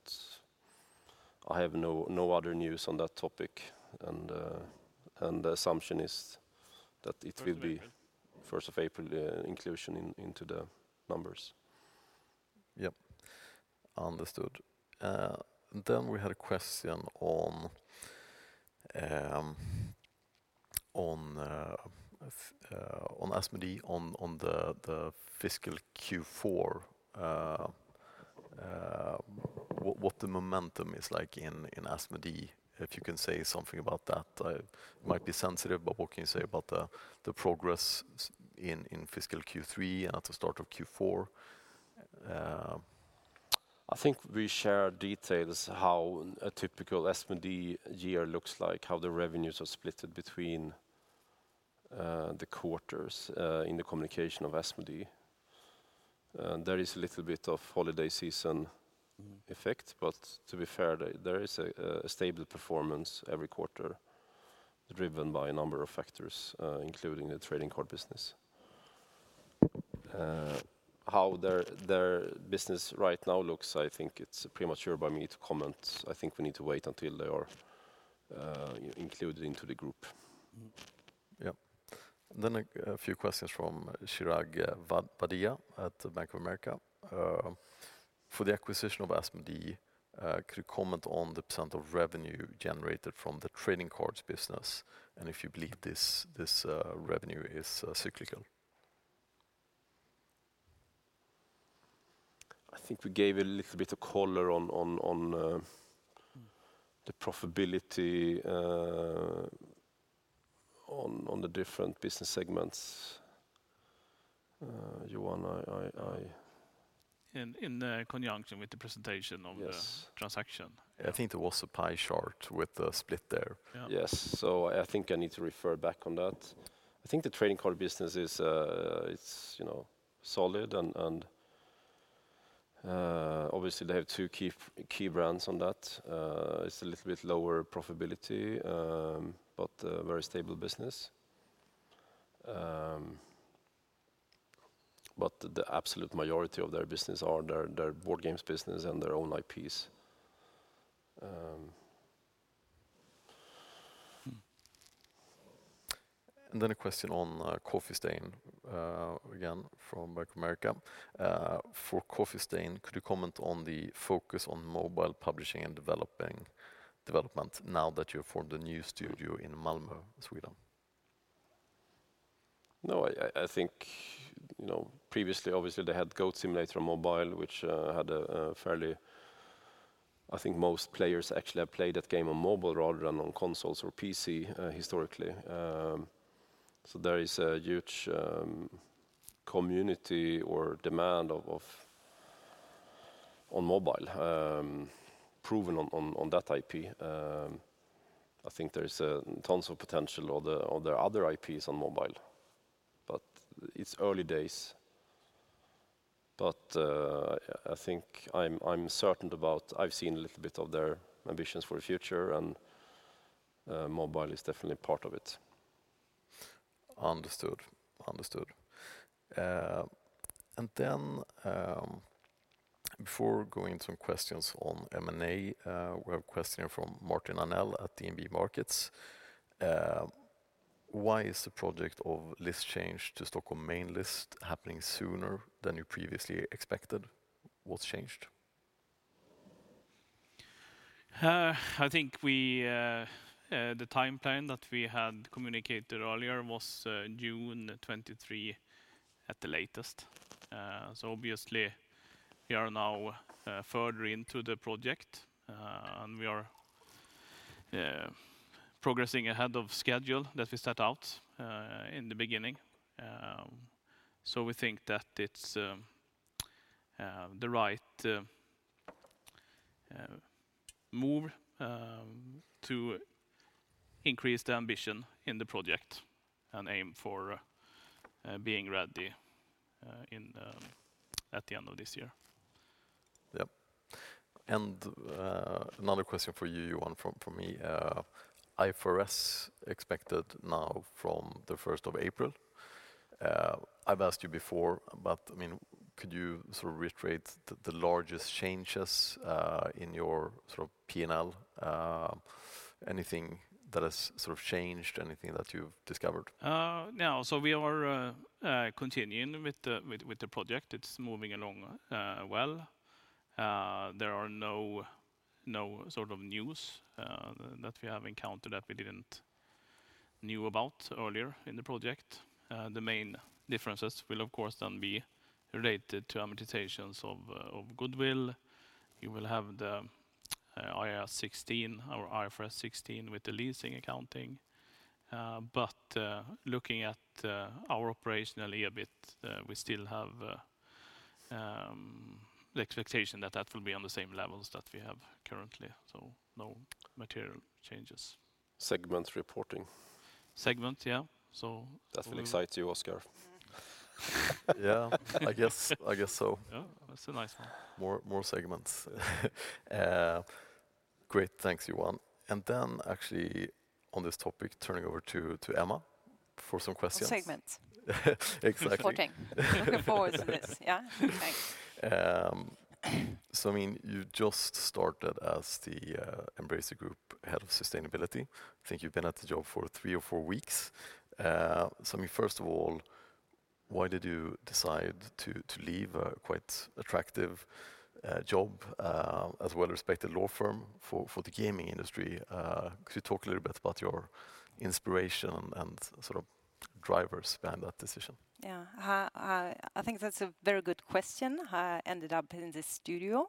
I have no other news on that topic. The assumption is that it will be first of April inclusion into the numbers. Yep. Understood. We had a question on Asmodee on the fiscal Q4. What the momentum is like in Asmodee, if you can say something about that, might be sensitive, but what can you say about the progress in fiscal Q3 and at the start of Q4. I think we share details how a typical Asmodee year looks like, how the revenues are split between the quarters in the communication of Asmodee. There is a little bit of holiday season effect, but to be fair, there is a stable performance every quarter driven by a number of factors, including the trading card business. How their business right now looks, I think it's premature by me to comment. I think we need to wait until they are included into the group. Yep. A few questions from Chirag Vadhia at Bank of America. For the acquisition of Asmodee, could you comment on the percent of revenue generated from the trading cards business, and if you believe this revenue is cyclical? I think we gave a little bit of color on the profitability on the different business segments. Johan, I In conjunction with the presentation of the Yes transaction. I think there was a pie chart with the split there. Yeah. Yes. I think I need to refer back on that. I think the trading card business is, you know, solid and obviously they have two key brands on that. It's a little bit lower profitability, but a very stable business. The absolute majority of their business are their board games business and their own IPs. A question on Coffee Stain again from Bank of America. For Coffee Stain, could you comment on the focus on mobile publishing and development now that you have formed a new studio in Malmö, Sweden? No, I think, you know, previously, obviously, they had Goat Simulator Mobile, which I think most players actually have played that game on mobile rather than on consoles or PC historically. There is a huge community or demand on mobile, proven on that IP. I think there is tons of potential on their other IPs on mobile, but it's early days. I think I'm certain about. I've seen a little bit of their ambitions for the future, and mobile is definitely part of it. Understood. Before going to some questions on M&A, we have a question from Martin Arnell at DNB Markets. Why is the project of listing change to Nasdaq Stockholm Main Market happening sooner than you previously expected? What's changed? I think the timeline that we had communicated earlier was June 23 at the latest. Obviously we are now further into the project, and we are progressing ahead of schedule that we set out in the beginning. We think that it's the right move to increase the ambition in the project and aim for being ready at the end of this year. Yep. Another question for you, Johan, from me. IFRS expected now from the 1st of April. I've asked you before, but I mean, could you sort of reiterate the largest changes in your sort of P&L? Anything that has sort of changed, anything that you've discovered? No. We are continuing with the project. It's moving along well. There are no sort of news that we have encountered that we didn't knew about earlier in the project. The main differences will of course then be related to amortizations of goodwill. You will have the IAS 17 or IFRS 16 with the leasing accounting. Looking at our operationally a bit, we still have the expectation that will be on the same levels that we have currently. No material changes. Segment reporting. Segment, yeah. That excites you, Oscar. Yeah, I guess so. Yeah, that's a nice one. More segments. Great. Thanks, Johan Ekström. Actually on this topic, turning over to Emma Ihre for some questions. For segments. Exactly. Looking forward to this, yeah? Thanks. I mean, you just started as the Embracer Group Head of Sustainability. I think you've been at the job for three or four weeks. I mean, first of all, why did you decide to leave a quite attractive job at a well-respected law firm for the gaming industry? Could you talk a little bit about your inspiration and sort of drivers behind that decision? Yeah. I think that's a very good question, how I ended up in this studio.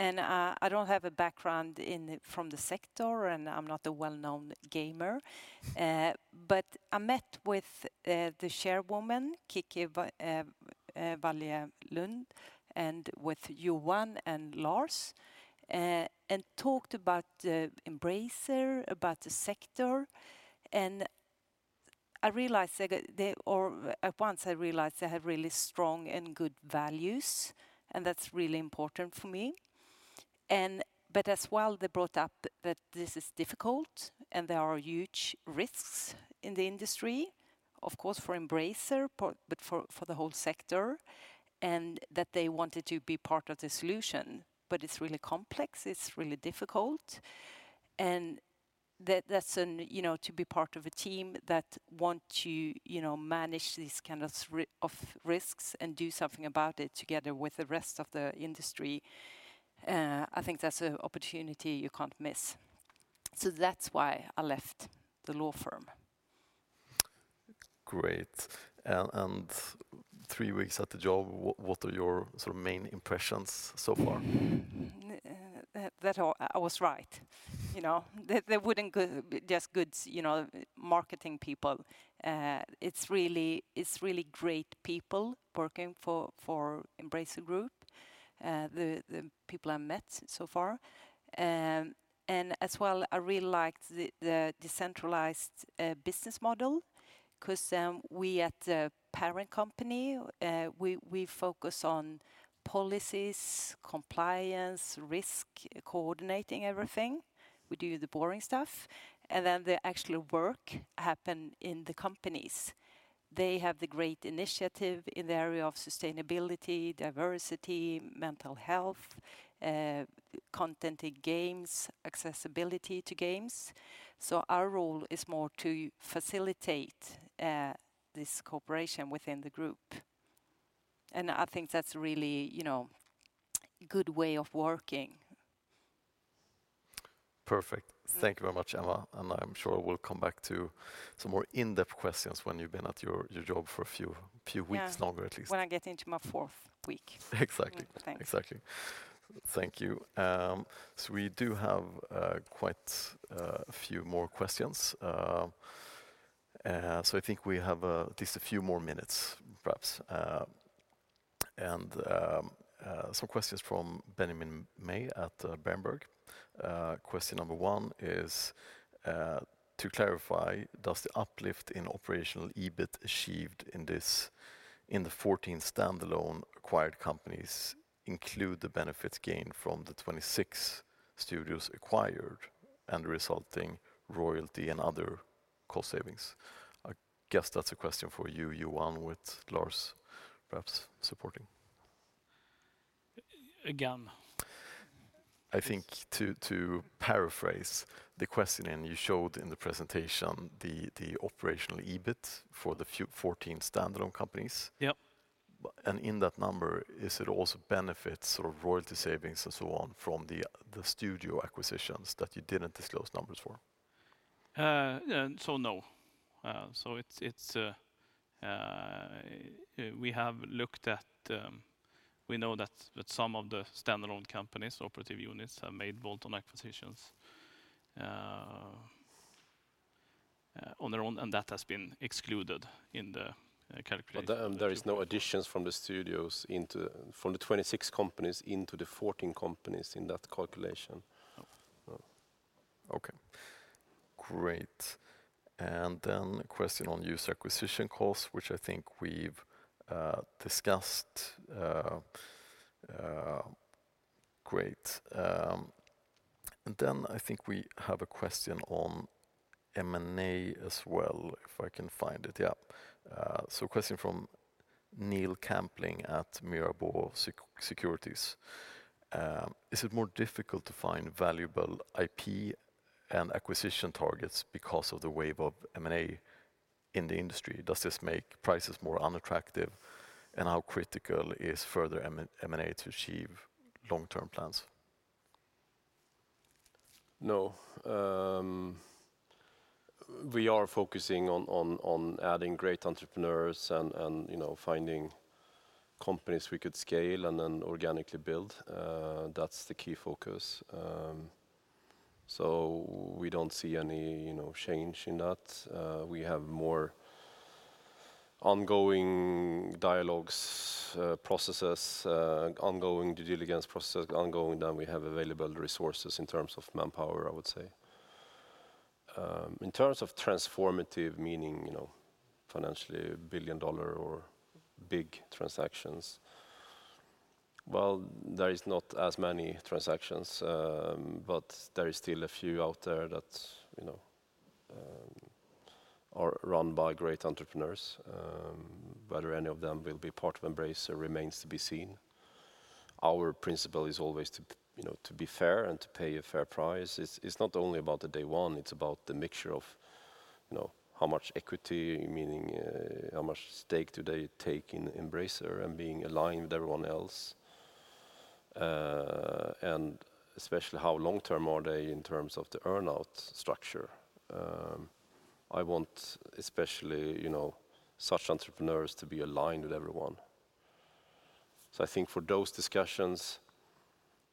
I don't have a background from the sector, and I'm not a well-known gamer. I met with the chairwoman, Kicki Wallje-Lund, and with Johan Ekström and Lars Wingefors, and talked about Embracer, about the sector. I realized at once they have really strong and good values, and that's really important for me. They brought up that this is difficult, and there are huge risks in the industry, of course, for Embracer, but for the whole sector, and that they wanted to be part of the solution. It's really complex, it's really difficult. That's, you know, to be part of a team that want to, you know, manage these kind of risks and do something about it together with the rest of the industry. I think that's an opportunity you can't miss. That's why I left the law firm. Great. Three weeks at the job, what are your sort of main impressions so far? That I was right. You know, they wouldn't go just good, you know, marketing people. It's really great people working for Embracer Group, the people I met so far. As well, I really liked the decentralized business model, because we at the parent company, we focus on policies, compliance, risk, coordinating everything. We do the boring stuff. Then the actual work happen in the companies. They have the great initiative in the area of sustainability, diversity, mental health, content in games, accessibility to games. So our role is more to facilitate this cooperation within the group. I think that's a really, you know, good way of working. Perfect. Thank you very much, Emma. I'm sure we'll come back to some more in-depth questions when you've been at your job for a few weeks longer, at least. Yeah. When I get into my fourth week. Exactly. Thanks. Exactly. Thank you. We do have quite a few more questions. I think we have at least a few more minutes, perhaps. Some questions from Benjamin May at Barclays. Question number 1 is, "To clarify, does the uplift in operational EBIT achieved in the 14 standalone acquired companies include the benefits gained from the 26 studios acquired and the resulting royalty and other cost savings?" I guess that's a question for you, Johan, with Lars perhaps supporting. Again. I think to paraphrase the question, and you showed in the presentation the operational EBIT for the 14 standalone companies. Yep. in that number, is it also benefits or royalty savings and so on from the studio acquisitions that you didn't disclose numbers for? We know that some of the standalone companies, operative units, have made bolt-on acquisitions on their own, and that has been excluded in the calculation. There is no additions from the 26 companies into the 14 companies in that calculation? No. Okay. Great. Then a question on user acquisition costs, which I think we've discussed. Great. Then I think we have a question on M&A as well, if I can find it. Yeah. Question from Neil Campling at Mirabaud Securities. "Is it more difficult to find valuable IP and acquisition targets because of the wave of M&A in the industry? Does this make prices more unattractive? And how critical is further M&A to achieve long-term plans? No. We are focusing on adding great entrepreneurs and, you know, finding companies we could scale and then organically build. That's the key focus. We don't see any, you know, change in that. We have more ongoing dialogues, processes, ongoing due diligence processes than we have available resources in terms of manpower, I would say. In terms of transformative, meaning, you know, financially billion-dollar or big transactions, well, there is not as many transactions, but there is still a few out there that, you know, are run by great entrepreneurs. Whether any of them will be part of Embracer remains to be seen. Our principle is always to, you know, to be fair and to pay a fair price. It's not only about the day one, it's about the mixture of, you know, how much equity, meaning, how much stake do they take in Embracer and being aligned with everyone else. Especially how long-term are they in terms of the earn-out structure. I want especially, you know, such entrepreneurs to be aligned with everyone. I think for those discussions,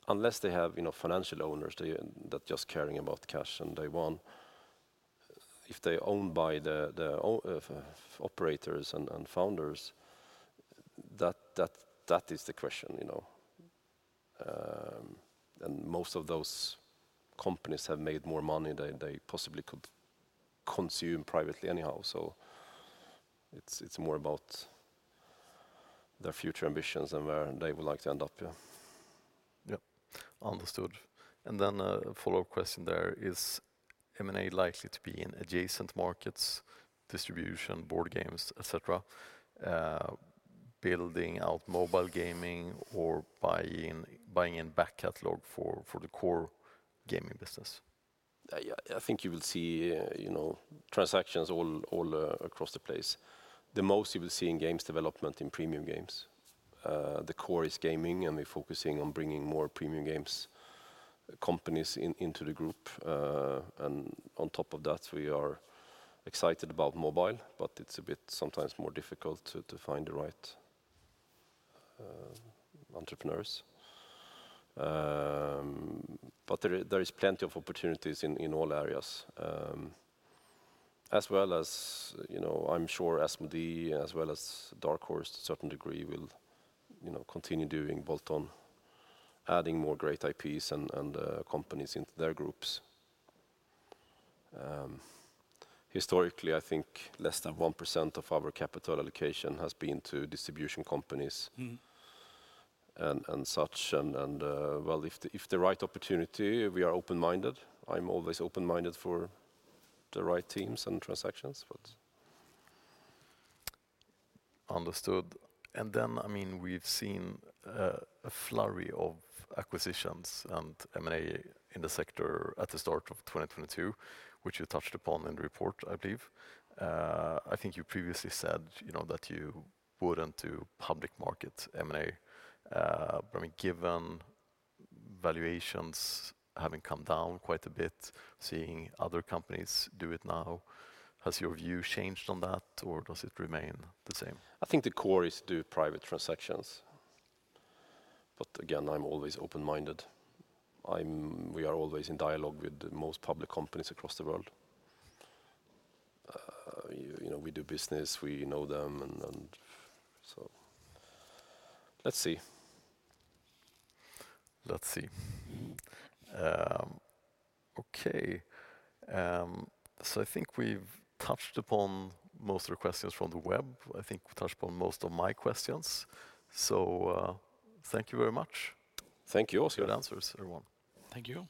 unless they have, you know, financial owners that just care about cash on day one, if they're owned by the operators and founders, that is the question, you know. Most of those companies have made more money than they possibly could consume privately anyhow, so it's more about their future ambitions and where they would like to end up. Yeah. Yep. Understood. A follow-up question there, is M&A likely to be in adjacent markets, distribution, board games, et cetera, building out mobile gaming or buying in back catalog for the core gaming business? Yeah. I think you will see transactions all across the place. The most you will see in games development in premium games. The core is gaming, and we're focusing on bringing more premium games companies into the group. On top of that, we are excited about mobile, but it's a bit sometimes more difficult to find the right entrepreneurs. There is plenty of opportunities in all areas. As well as, I'm sure Asmodee as well as Dark Horse to a certain degree will continue doing bolt-on, adding more great IPs and companies into their groups. Historically, I think less than 1% of our capital allocation has been to distribution companies and such. Well, if the right opportunity, we are open-minded. I'm always open-minded for the right teams and transactions, but... Understood. Then, I mean, we've seen a flurry of acquisitions and M&A in the sector at the start of 2022, which you touched upon in the report, I believe. I think you previously said, you know, that you wouldn't do public market M&A. But I mean, given valuations having come down quite a bit, seeing other companies do it now, has your view changed on that, or does it remain the same? I think the core is to do private transactions. Again, I'm always open-minded. We are always in dialogue with most public companies across the world. You know, we do business, we know them and so let's see. Let's see. Okay. I think we've touched upon most of the questions from the web. I think we've touched upon most of my questions. Thank you very much. Thank you also. Good answers, everyone. Thank you.